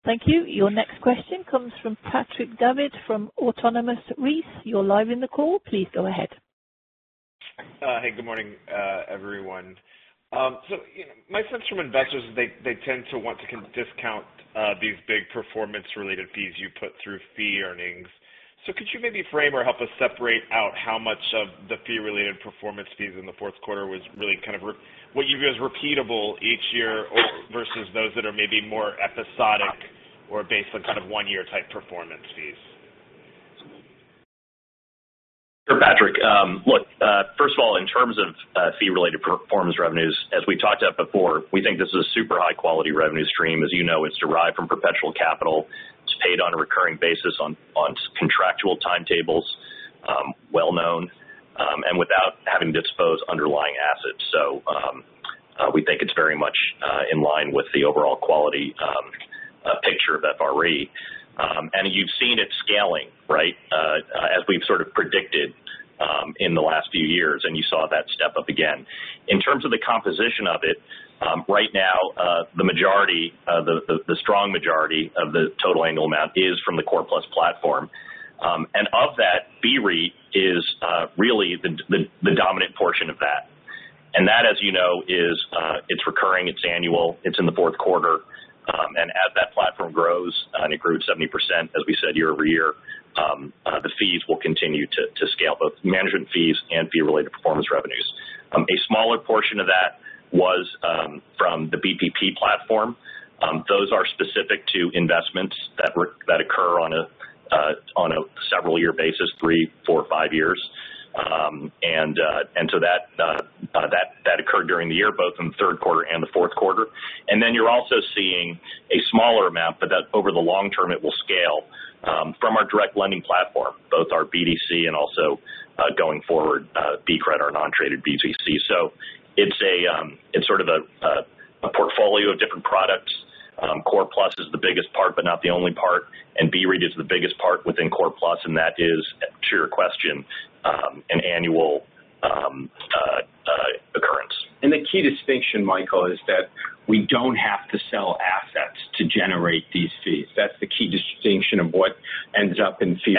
Thank you. Your next question comes from Patrick Davitt from Autonomous Research. You are live in the call. Please go ahead. Hey, good morning, everyone. My sense from investors is they tend to want to discount these big performance-related fees you put through fee earnings. Could you maybe frame or help us separate out how much of the fee-related performance fees in the fourth quarter was really what you view as repeatable each year versus those that are maybe more episodic or based on kind of one-year type performance fees? Sure, Patrick. Look, first of all, in terms of fee-related performance revenues, as we talked about before, we think this is a super high-quality revenue stream. As you know, it's derived from perpetual capital. It's paid on a recurring basis on contractual timetables, well known, and without having to dispose underlying assets. We think it's very much in line with the overall quality picture of FRE. You've seen it scaling, right? As we've sort of predicted in the last few years, and you saw that step up again. In terms of the composition of it, right now the strong majority of the total annual amount is from the Core+ platform. Of that, BREIT is really the dominant portion of that. That, as you know, it's recurring, it's annual, it's in the fourth quarter. As that platform grows, it grew 70%, as we said, year-over-year, the fees will continue to scale both management fees and fee-related performance revenues. A smaller portion of that was from the BPP platform. Those are specific to investments that occur on a several-year basis, three, four, five years. That occurred during the year, both in the third quarter and the fourth quarter. You're also seeing a smaller amount, but that over the long term it will scale from our direct lending platform, both our BDC and also going forward BCRED or non-traded BDC. It's sort of a portfolio of different products. Core+ is the biggest part but not the only part, and BREIT is the biggest part within Core+, and that is, to your question, an annual occurrence. The key distinction, Michael, is that we don't have to sell assets to generate these fees. That's the key distinction of what ends up in the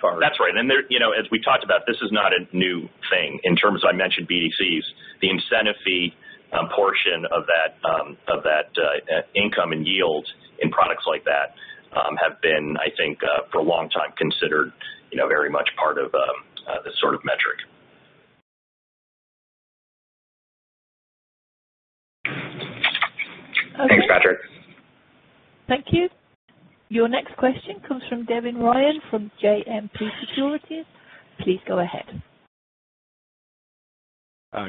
FRE. That's right. As we talked about, this is not a new thing. In terms, as I mentioned, BDCs, the incentive fee portion of that income and yield in products like that have been, I think, for a long time considered very much part of this sort of metric. Thanks, Patrick. Thank you. Your next question comes from Devin Ryan from JMP Securities. Please go ahead.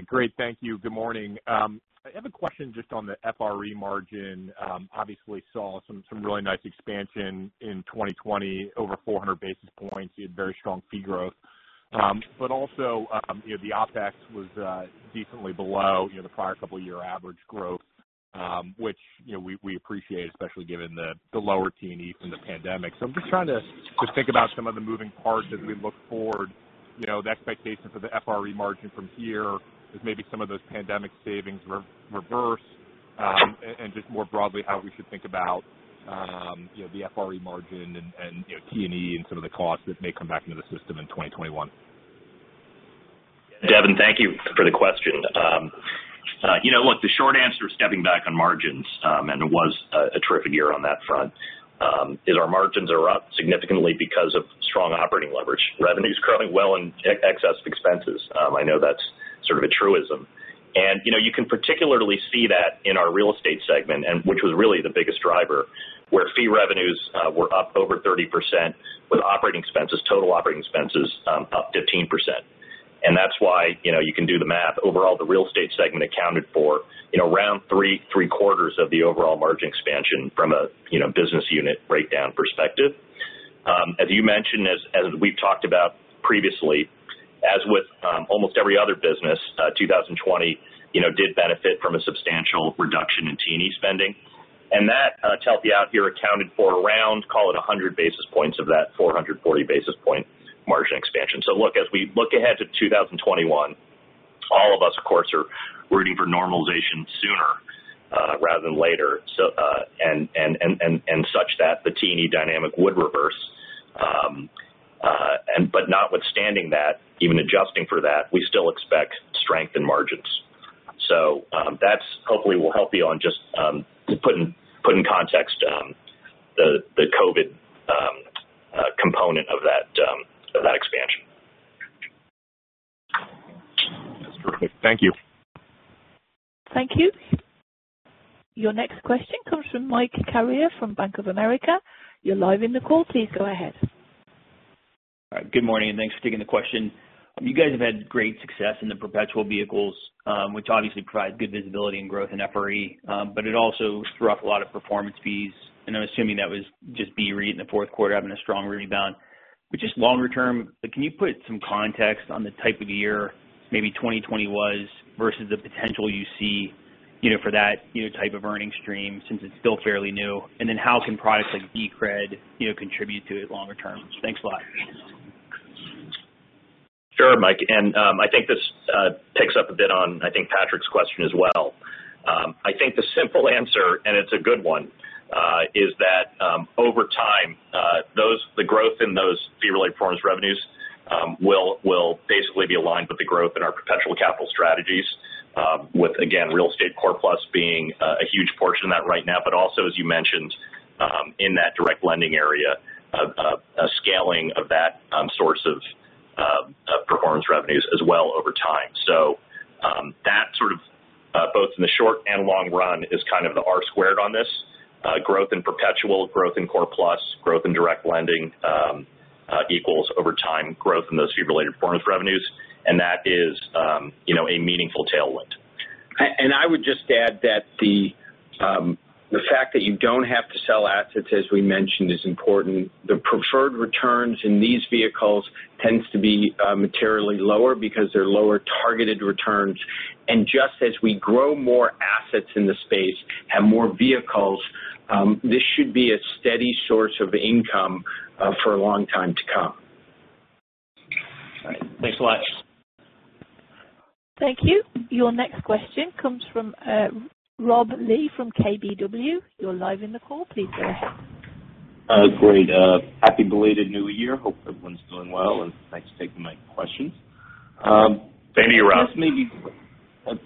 Great. Thank you. Good morning. I have a question just on the FRE margin. Obviously saw some really nice expansion in 2020, over 400 basis points. You had very strong fee growth. Also, the OpEx was decently below the prior couple-year average growth, which we appreciate, especially given the lower T&E from the pandemic. I'm just trying to think about some of the moving parts as we look forward, the expectations of the FRE margin from here as maybe some of those pandemic savings reverse, and just more broadly, how we should think about the FRE margin and T&E and some of the costs that may come back into the system in 2021. Devin, thank you for the question. Look, the short answer, stepping back on margins, and it was a terrific year on that front, is our margins are up significantly because of strong operating leverage. Revenue's growing well in excess of expenses. I know that's sort of a truism. You can particularly see that in our real estate segment, which was really the biggest driver, where fee revenues were up over 30% with operating expenses, total operating expenses up 15%. That's why you can do the math. Overall, the real estate segment accounted for around three-quarters of the overall margin expansion from a business unit breakdown perspective. As you mentioned, as we've talked about previously, as with almost every other business, 2020 did benefit from a substantial reduction in T&E spending. That, to help you out here, accounted for around, call it 100 basis points of that 440 basis point margin expansion. As we look ahead to 2021, all of us, of course, are rooting for normalization sooner rather than later, and such that the T&E dynamic would reverse. Notwithstanding that, even adjusting for that, we still expect strength in margins. That hopefully will help you on just putting in context the COVID component of that expansion. That's terrific. Thank you. Thank you. Your next question comes from Mike Carrier from Bank of America. You are live in the call. Please go ahead. All right. Good morning, and thanks for taking the question. You guys have had great success in the perpetual vehicles, which obviously provide good visibility and growth in FRE, but it also threw off a lot of performance fees, and I'm assuming that was just BRE in the fourth quarter having a strong rebound. Just longer term, can you put some context on the type of year maybe 2020 was versus the potential you see for that type of earning stream, since it's still fairly new? How can products like BCRED contribute to it longer term? Thanks a lot. Sure, Mike. I think this picks up a bit on, I think, Patrick's question as well. I think the simple answer, and it's a good one, is that over time, the growth in those fee-related performance revenues will basically be aligned with the growth in our perpetual capital strategies. With, again, Real Estate Core+ being a huge portion of that right now, but also, as you mentioned, in that direct lending area, a scaling of that source of performance revenues as well over time. That sort of both in the short and long run is kind of the R-squared on this. Growth in perpetual, growth in Core+, growth in direct lending equals over time growth in those fee-related performance revenues. That is a meaningful tailwind. I would just add that the fact that you don't have to sell assets, as we mentioned, is important. The preferred returns in these vehicles tends to be materially lower because they're lower targeted returns. Just as we grow more assets in the space, have more vehicles, this should be a steady source of income for a long time to come. All right. Thanks a lot. Thank you. Your next question comes from Rob Lee from KBW. You're live in the call. Please go ahead. Great. Happy belated New Year. Hope everyone's doing well, and thanks for taking my questions. Thank you, Rob.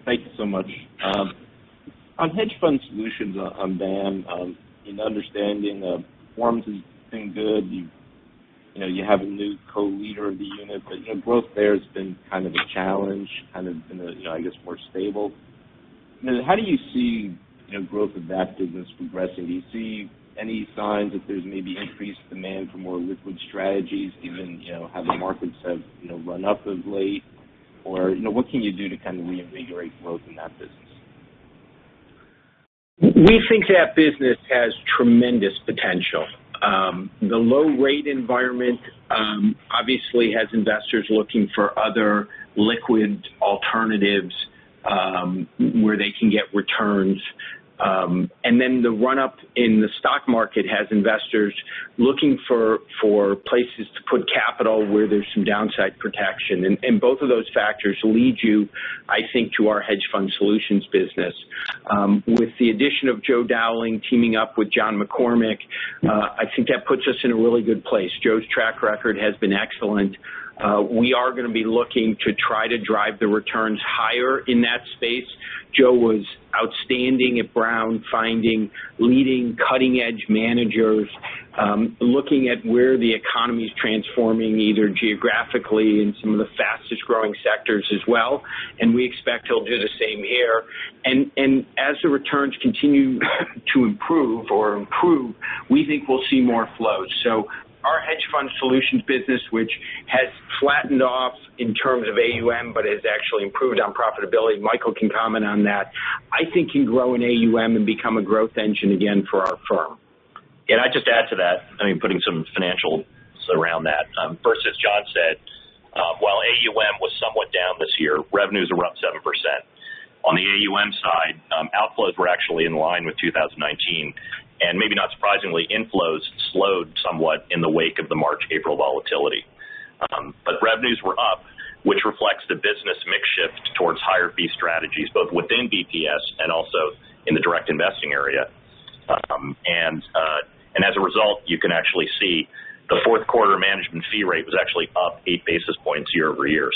Thank you so much. On hedge fund solutions on BAAM, in understanding performance has been good. You have a new co-leader of the unit. Growth there has been kind of a challenge, kind of been, I guess, more stable. How do you see growth of that business progressing? Do you see any signs that there's maybe increased demand for more liquid strategies given how the markets have run up of late? What can you do to kind of reinvigorate growth in that business? We think that business has tremendous potential. The low-rate environment obviously has investors looking for other liquid alternatives where they can get returns. The run-up in the stock market has investors looking for places to put capital where there's some downside protection. Both of those factors lead you, I think, to our hedge fund solutions business. With the addition of Joe Dowling teaming up with John McCormick, I think that puts us in a really good place. Joe's track record has been excellent. We are going to be looking to try to drive the returns higher in that space. Joe was outstanding at Brown, finding leading, cutting-edge managers, looking at where the economy's transforming, either geographically in some of the fastest-growing sectors as well, and we expect he'll do the same here. As the returns continue to improve or improve, we think we'll see more flows. Our hedge fund solutions business, which has flattened off in terms of AUM, but has actually improved on profitability, Michael can comment on that. I think can grow in AUM and become a growth engine again for our firm. I'd just add to that, putting some financials around that. First, as Jon said, while AUM was somewhat down this year, revenues are up 7%. On the AUM side, outflows were actually in line with 2019. Maybe not surprisingly, inflows slowed somewhat in the wake of the March, April volatility. Revenues were up, which reflects the business mix shift towards higher-fee strategies, both within BPS and also in the direct investing area. As a result, you can actually see the fourth quarter management fee rate was actually up 8 basis points year-over-year.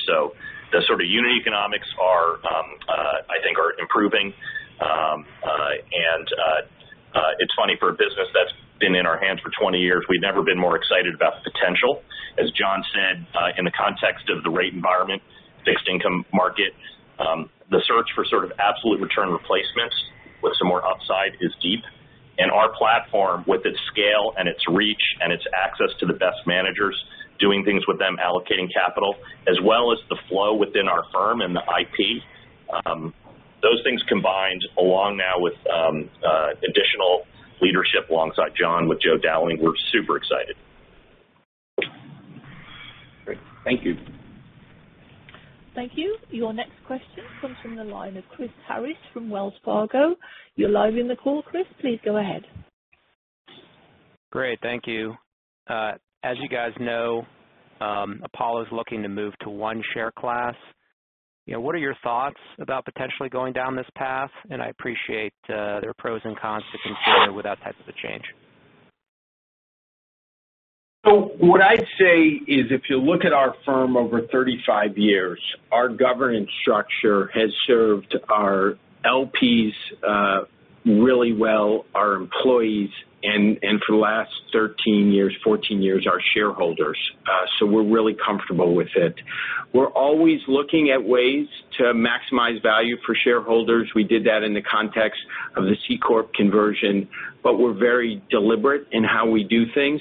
The sort of unit economics, I think, are improving. It's funny, for a business that's been in our hands for 20 years, we've never been more excited about the potential. As Jon said, in the context of the rate environment, fixed income market, the search for sort of absolute return replacements with some more upside is deep. Our platform, with its scale and its reach and its access to the best managers, doing things with them, allocating capital, as well as the flow within our firm and the IP, those things combined, along now with additional leadership alongside Jon with Joe Dowling, we're super excited. Great. Thank you. Thank you. Your next question comes from the line of Chris Harris from Wells Fargo. You are live in the call, Chris. Please go ahead. Great. Thank you. As you guys know, Apollo's looking to move to one share class. What are your thoughts about potentially going down this path? I appreciate there are pros and cons to consider with that type of a change. What I'd say is, if you look at our firm over 35 years, our governance structure has served our LPs really well, our employees, and for the last 13 years, 14 years, our shareholders. We're really comfortable with it. We're always looking at ways to maximize value for shareholders. We did that in the context of the C-corp conversion, but we're very deliberate in how we do things.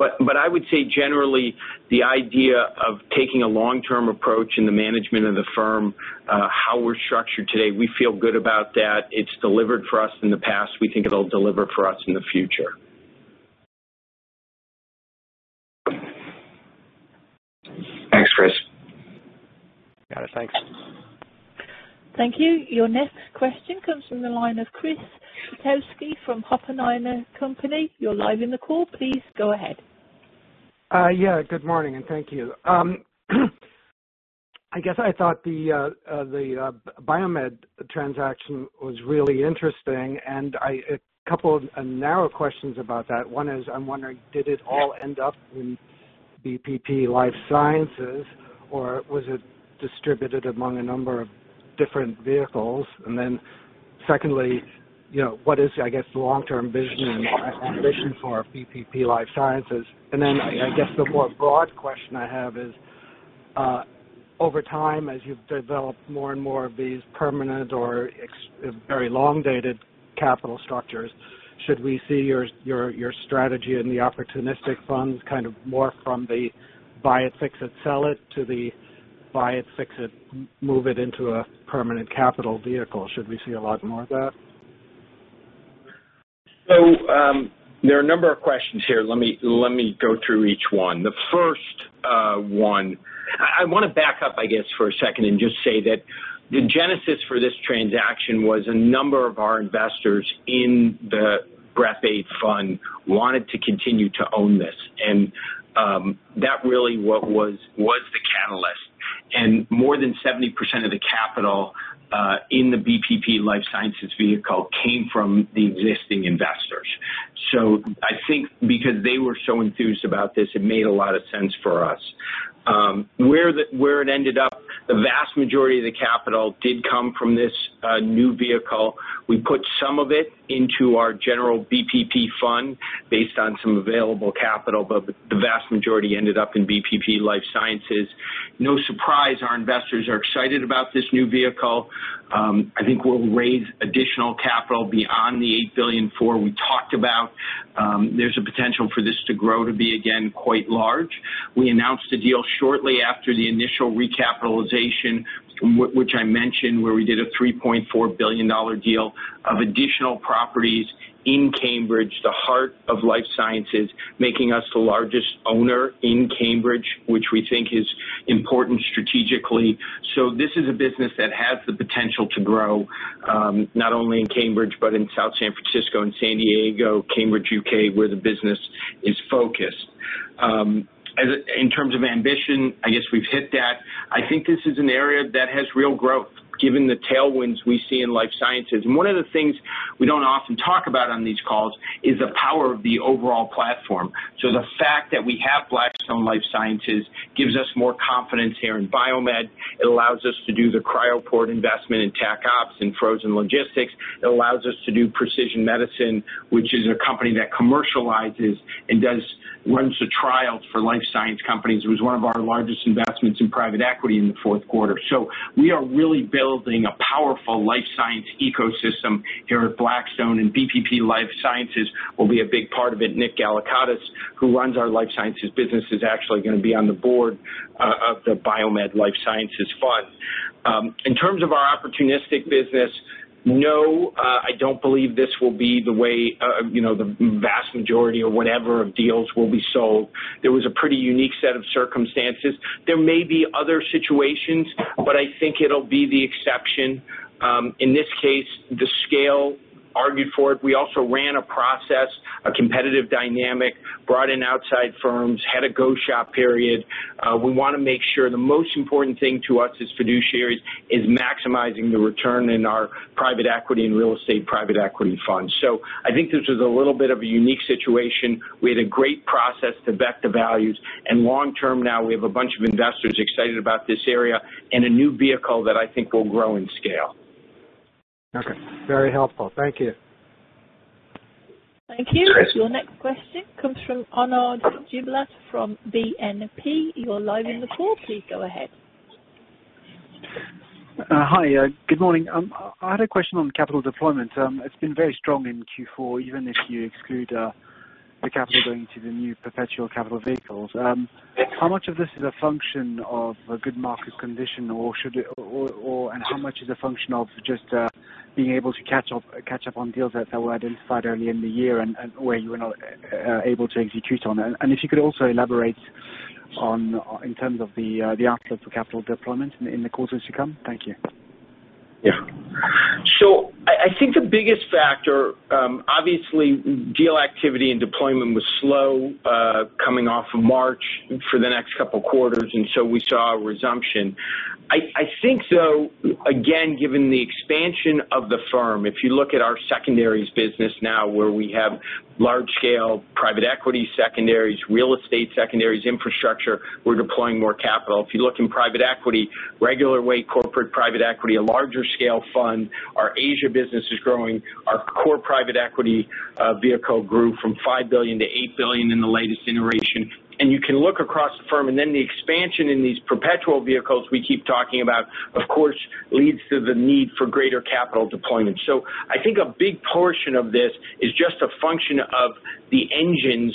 I would say generally, the idea of taking a long-term approach in the management of the firm, how we're structured today, we feel good about that. It's delivered for us in the past. We think it'll deliver for us in the future. Thanks, Chris. Got it. Thanks. Thank you. Your next question comes from the line of Chris Kotowski from Oppenheimer & Co. You're live in the call. Please go ahead. Good morning, and thank you. I guess I thought the BioMed transaction was really interesting, and a couple of narrow questions about that. One is, I'm wondering, did it all end up in BPP Life Sciences, or was it distributed among a number of different vehicles? Secondly, what is, I guess, the long-term vision and ambition for BPP Life Sciences? I guess the more broad question I have is, over time, as you've developed more and more of these permanent or very long-dated capital structures, should we see your strategy in the opportunistic funds kind of more from the buy it, fix it, sell it, to the buy it, fix it, move it into a permanent capital vehicle? Should we see a lot more of that? There are a number of questions here. Let me go through each one. The first one. I want to back up, I guess, for a second and just say that the genesis for this transaction was a number of our investors in the BREP VIII Fund wanted to continue to own this. That really was the catalyst. More than 70% of the capital in the BPP Life Sciences vehicle came from the existing investors. I think because they were so enthused about this, it made a lot of sense for us. Where it ended up, the vast majority of the capital did come from this new vehicle. We put some of it into our general BPP fund based on some available capital, but the vast majority ended up in BPP Life Sciences. No surprise, our investors are excited about this new vehicle. I think we'll raise additional capital beyond the $8.4 billion we talked about. There's a potential for this to grow to be, again, quite large. We announced the deal shortly after the initial recapitalization, which I mentioned, where we did a $3.4 billion deal of additional properties in Cambridge, the heart of life sciences, making us the largest owner in Cambridge, which we think is important strategically. This is a business that has the potential to grow, not only in Cambridge, but in South San Francisco and San Diego, Cambridge, U.K., where the business is focused. In terms of ambition, I guess we've hit that. I think this is an area that has real growth given the tailwinds we see in life sciences. One of the things we don't often talk about on these calls is the power of the overall platform. The fact that we have Blackstone Life Sciences gives us more confidence here in BioMed. It allows us to do the Cryoport investment in Tac Opps and frozen logistics. It allows us to do Precision Medicine, which is a company that commercializes and runs the trials for life science companies. It was one of our largest investments in private equity in the fourth quarter. We are really building a powerful life science ecosystem here at Blackstone, and BPP Life Sciences will be a big part of it. Nick Galakatos, who runs our life sciences business, is actually going to be on the board of the BioMed Life Sciences fund. In terms of our opportunistic business, no, I don't believe this will be the way the vast majority of whatever of deals will be sold. There was a pretty unique set of circumstances. There may be other situations, but I think it'll be the exception. In this case, the scale argued for it. We also ran a process, a competitive dynamic, brought in outside firms, had a go shop period. We want to make sure the most important thing to us as fiduciaries is maximizing the return in our private equity and real estate private equity funds. I think this was a little bit of a unique situation. We had a great process to back the values, and long term now, we have a bunch of investors excited about this area and a new vehicle that I think will grow in scale. Okay. Very helpful. Thank you. Thank you Your next question comes from Arnaud Giblat from BNP. You're live in the call. Please go ahead. Hi. Good morning. I had a question on capital deployment. It's been very strong in Q4, even if you exclude the capital going to the new perpetual capital vehicles. How much of this is a function of a good market condition, and how much is a function of just being able to catch up on deals that were identified early in the year and where you were not able to execute on? If you could also elaborate in terms of the outlook for capital deployment in the quarters to come. Thank you. Yeah. I think the biggest factor, obviously deal activity and deployment was slow coming off of March for the next couple quarters. We saw a resumption. I think again, given the expansion of the firm, if you look at our secondaries business now where we have large scale private equity secondaries, real estate secondaries, infrastructure, we're deploying more capital. If you look in private equity, regular weight corporate private equity, a larger scale fund. Our Asia business is growing. Our core private equity vehicle grew from $5 billion to $8 billion in the latest iteration. You can look across the firm. The expansion in these perpetual vehicles we keep talking about, of course, leads to the need for greater capital deployment. I think a big portion of this is just a function of the engines,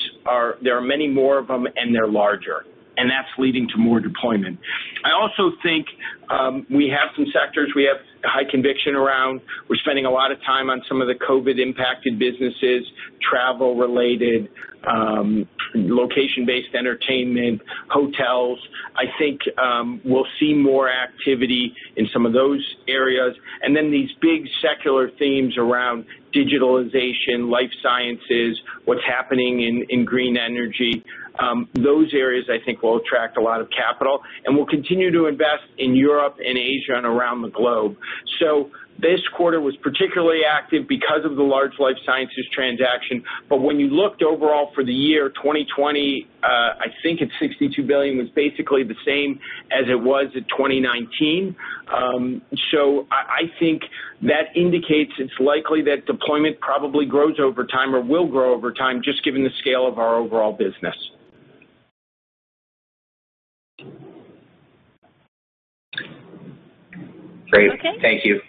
there are many more of them, and they're larger, and that's leading to more deployment. I also think we have some sectors we have high conviction around. We're spending a lot of time on some of the COVID-impacted businesses, travel-related, location-based entertainment, hotels. I think we'll see more activity in some of those areas. These big secular themes around digitalization, Life Sciences, what's happening in green energy. Those areas, I think, will attract a lot of capital, and we'll continue to invest in Europe and Asia and around the globe. This quarter was particularly active because of the large Life Sciences transaction. When you looked overall for the year 2020, I think it's $62 billion, was basically the same as it was at 2019. I think that indicates it's likely that deployment probably grows over time or will grow over time just given the scale of our overall business. Great. Thank you. Okay.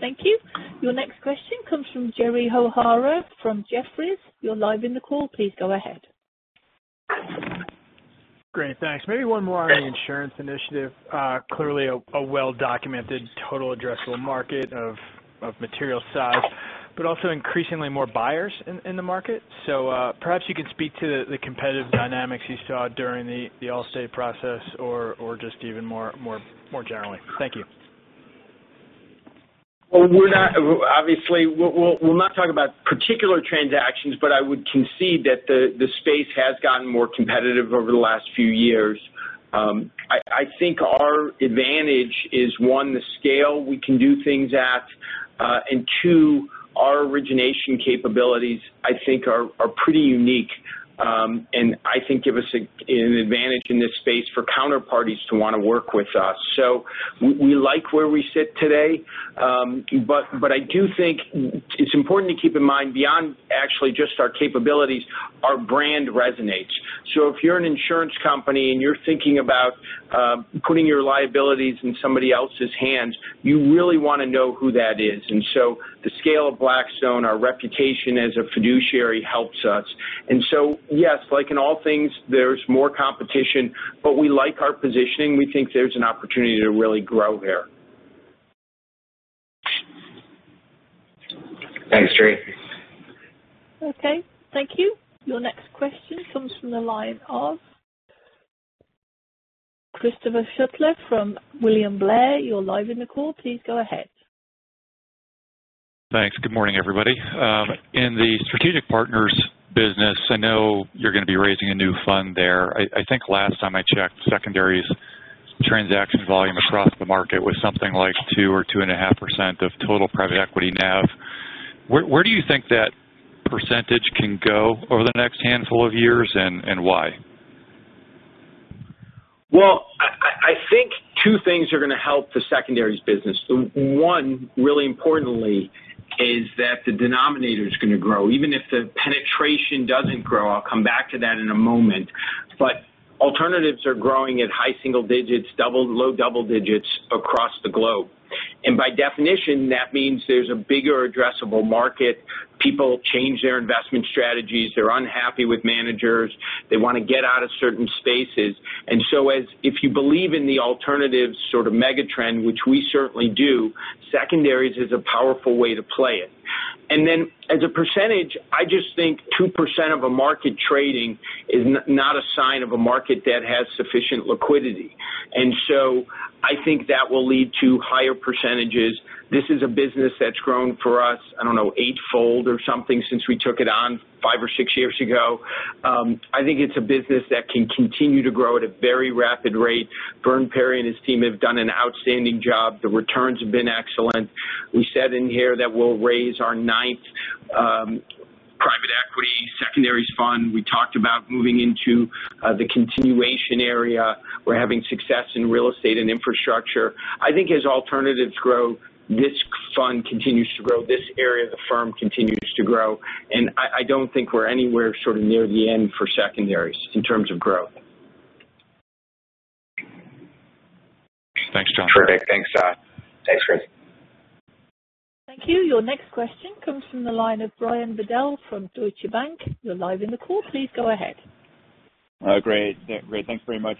Thank you. Your next question comes from Jerry O'Hara from Jefferies. You're live in the call. Please go ahead. Great. Thanks. Maybe one more on the insurance initiative. Clearly a well-documented total addressable market of material size, also increasingly more buyers in the market. Perhaps you could speak to the competitive dynamics you saw during the Allstate process or just even more generally. Thank you. Well, obviously, we'll not talk about particular transactions, but I would concede that the space has gotten more competitive over the last few years. I think our advantage is, one, the scale we can do things at, and two, our origination capabilities, I think are pretty unique, and I think give us an advantage in this space for counterparties to want to work with us. We like where we sit today. I do think it's important to keep in mind, beyond actually just our capabilities, our brand resonates. If you're an insurance company and you're thinking about putting your liabilities in somebody else's hands, you really want to know who that is. The scale of Blackstone, our reputation as a fiduciary helps us. Yes, like in all things, there's more competition, but we like our positioning. We think there's an opportunity to really grow there. Thanks, Jerry. Okay, thank you. Your next question comes from the line of Christopher Shutler from William Blair. You are live in the call. Please go ahead. Thanks. Good morning, everybody. In the Strategic Partners business, I know you're going to be raising a new fund there. I think last time I checked secondaries transaction volume across the market was something like 2% or 2.5% of total private equity NAV. Where do you think that percentage can go over the next handful of years, and why? Well, I think two things are going to help the secondaries business. One, really importantly, is that the denominator's going to grow. Even if the penetration doesn't grow, I'll come back to that in a moment. Alternatives are growing at high single digits, low double digits across the globe. By definition, that means there's a bigger addressable market. People change their investment strategies. They're unhappy with managers. They want to get out of certain spaces. If you believe in the alternatives sort of mega trend, which we certainly do, secondaries is a powerful way to play it. As a percentage, I just think 2% of a market trading is not a sign of a market that has sufficient liquidity. I think that will lead to higher percentages. This is a business that's grown for us, I don't know, eightfold or something since we took it on five or six years ago. I think it's a business that can continue to grow at a very rapid rate. Verdun Perry and his team have done an outstanding job. The returns have been excellent. We said in here that we'll raise our ninth private equity secondaries fund. We talked about moving into the continuation area. We're having success in real estate and infrastructure. I think as alternatives grow, this fund continues to grow. This area of the firm continues to grow. I don't think we're anywhere sort of near the end for secondaries in terms of growth. Thanks, Jon. Perfect. Thanks, Jon. Thanks, Chris. Thank you. Your next question comes from the line of Brian Bedell from Deutsche Bank. You are live in the call. Please go ahead. Great. Thanks very much.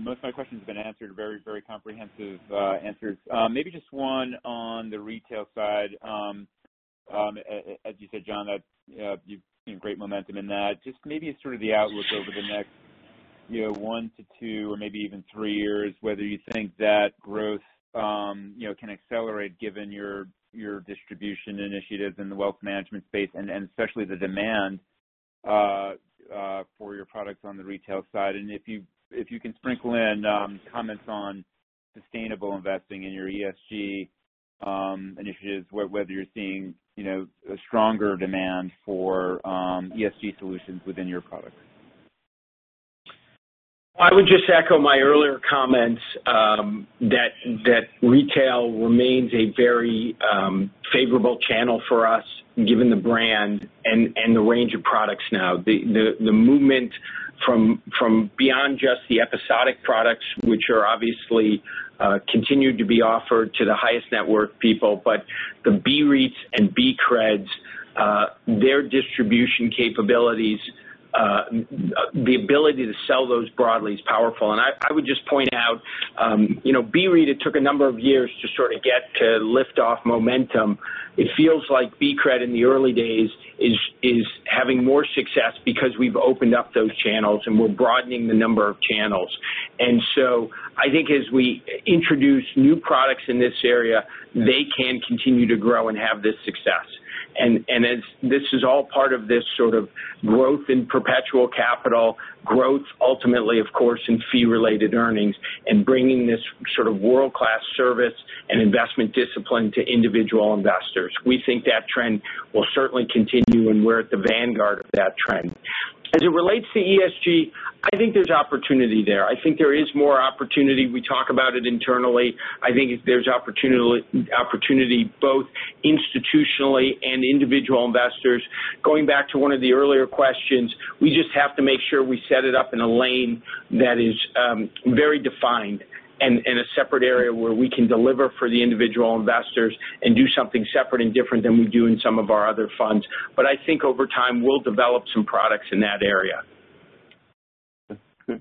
Most of my questions have been answered. Very comprehensive answers. Maybe just one on the retail side. As you said, Jon, you've seen great momentum in that. Just maybe sort of the outlook over the next one to two or maybe even three years, whether you think that growth can accelerate given your distribution initiatives in the wealth management space, and especially the demand for your products on the retail side. If you can sprinkle in comments on sustainable investing in your ESG initiatives, whether you're seeing a stronger demand for ESG solutions within your products. I would just echo my earlier comments that retail remains a very favorable channel for us, given the brand and the range of products now. The movement from beyond just the episodic products, which are obviously continued to be offered to the highest net worth people, the BREITs and BCREDs, their distribution capabilities, the ability to sell those broadly is powerful. I would just point out BREIT took a number of years to sort of get to lift-off momentum. It feels like BCRED in the early days is having more success because we've opened up those channels and we're broadening the number of channels. I think as we introduce new products in this area, they can continue to grow and have this success. This is all part of this sort of growth in perpetual capital, growth ultimately, of course, in fee-related earnings and bringing this sort of world-class service and investment discipline to individual investors. We think that trend will certainly continue, and we're at the vanguard of that trend. As it relates to ESG, I think there's opportunity there. I think there is more opportunity. We talk about it internally. I think there's opportunity both institutionally and individual investors. Going back to one of the earlier questions, we just have to make sure we set it up in a lane that is very defined and in a separate area where we can deliver for the individual investors and do something separate and different than we do in some of our other funds. I think over time, we'll develop some products in that area.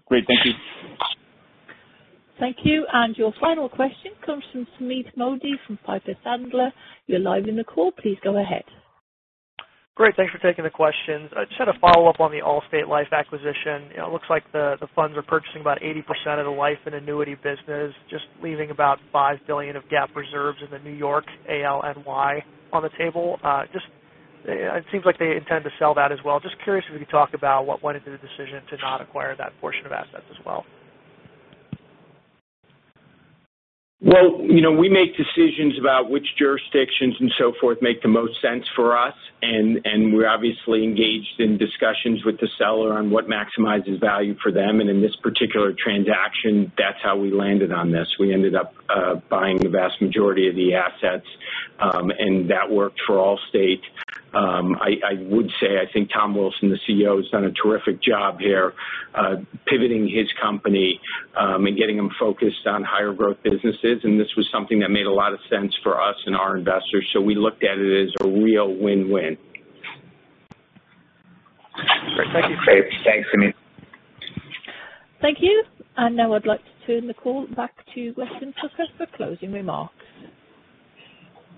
Great. Thank you. Thank you. Your final question comes from Sumeet Mody from Piper Sandler. You're live in the call. Please go ahead. Great. Thanks for taking the question. Just had a follow-up on the Allstate Life acquisition. It looks like the funds are purchasing about 80% of the life and annuity business, just leaving about $5 billion of GAAP reserves in the New York ALNY on the table. It seems like they intend to sell that as well. Just curious if you could talk about what went into the decision to not acquire that portion of assets as well. Well, we make decisions about which jurisdictions and so forth make the most sense for us, and we're obviously engaged in discussions with the seller on what maximizes value for them. In this particular transaction, that's how we landed on this. We ended up buying the vast majority of the assets, that worked for Allstate. I would say, I think Tom Wilson, the CEO, has done a terrific job here pivoting his company and getting them focused on higher growth businesses, this was something that made a lot of sense for us and our investors. We looked at it as a real win-win. Great. Thank you. Great. Thanks, Sumeet. Thank you. Now I'd like to turn the call back to Weston Tucker for closing remarks.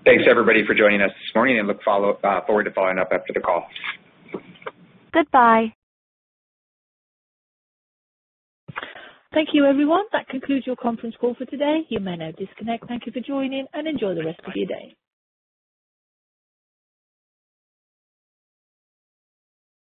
Thanks, everybody, for joining us this morning and look forward to following up after the call. Goodbye. Thank you, everyone. That concludes your conference call for today. You may now disconnect. Thank you for joining, and enjoy the rest of your day.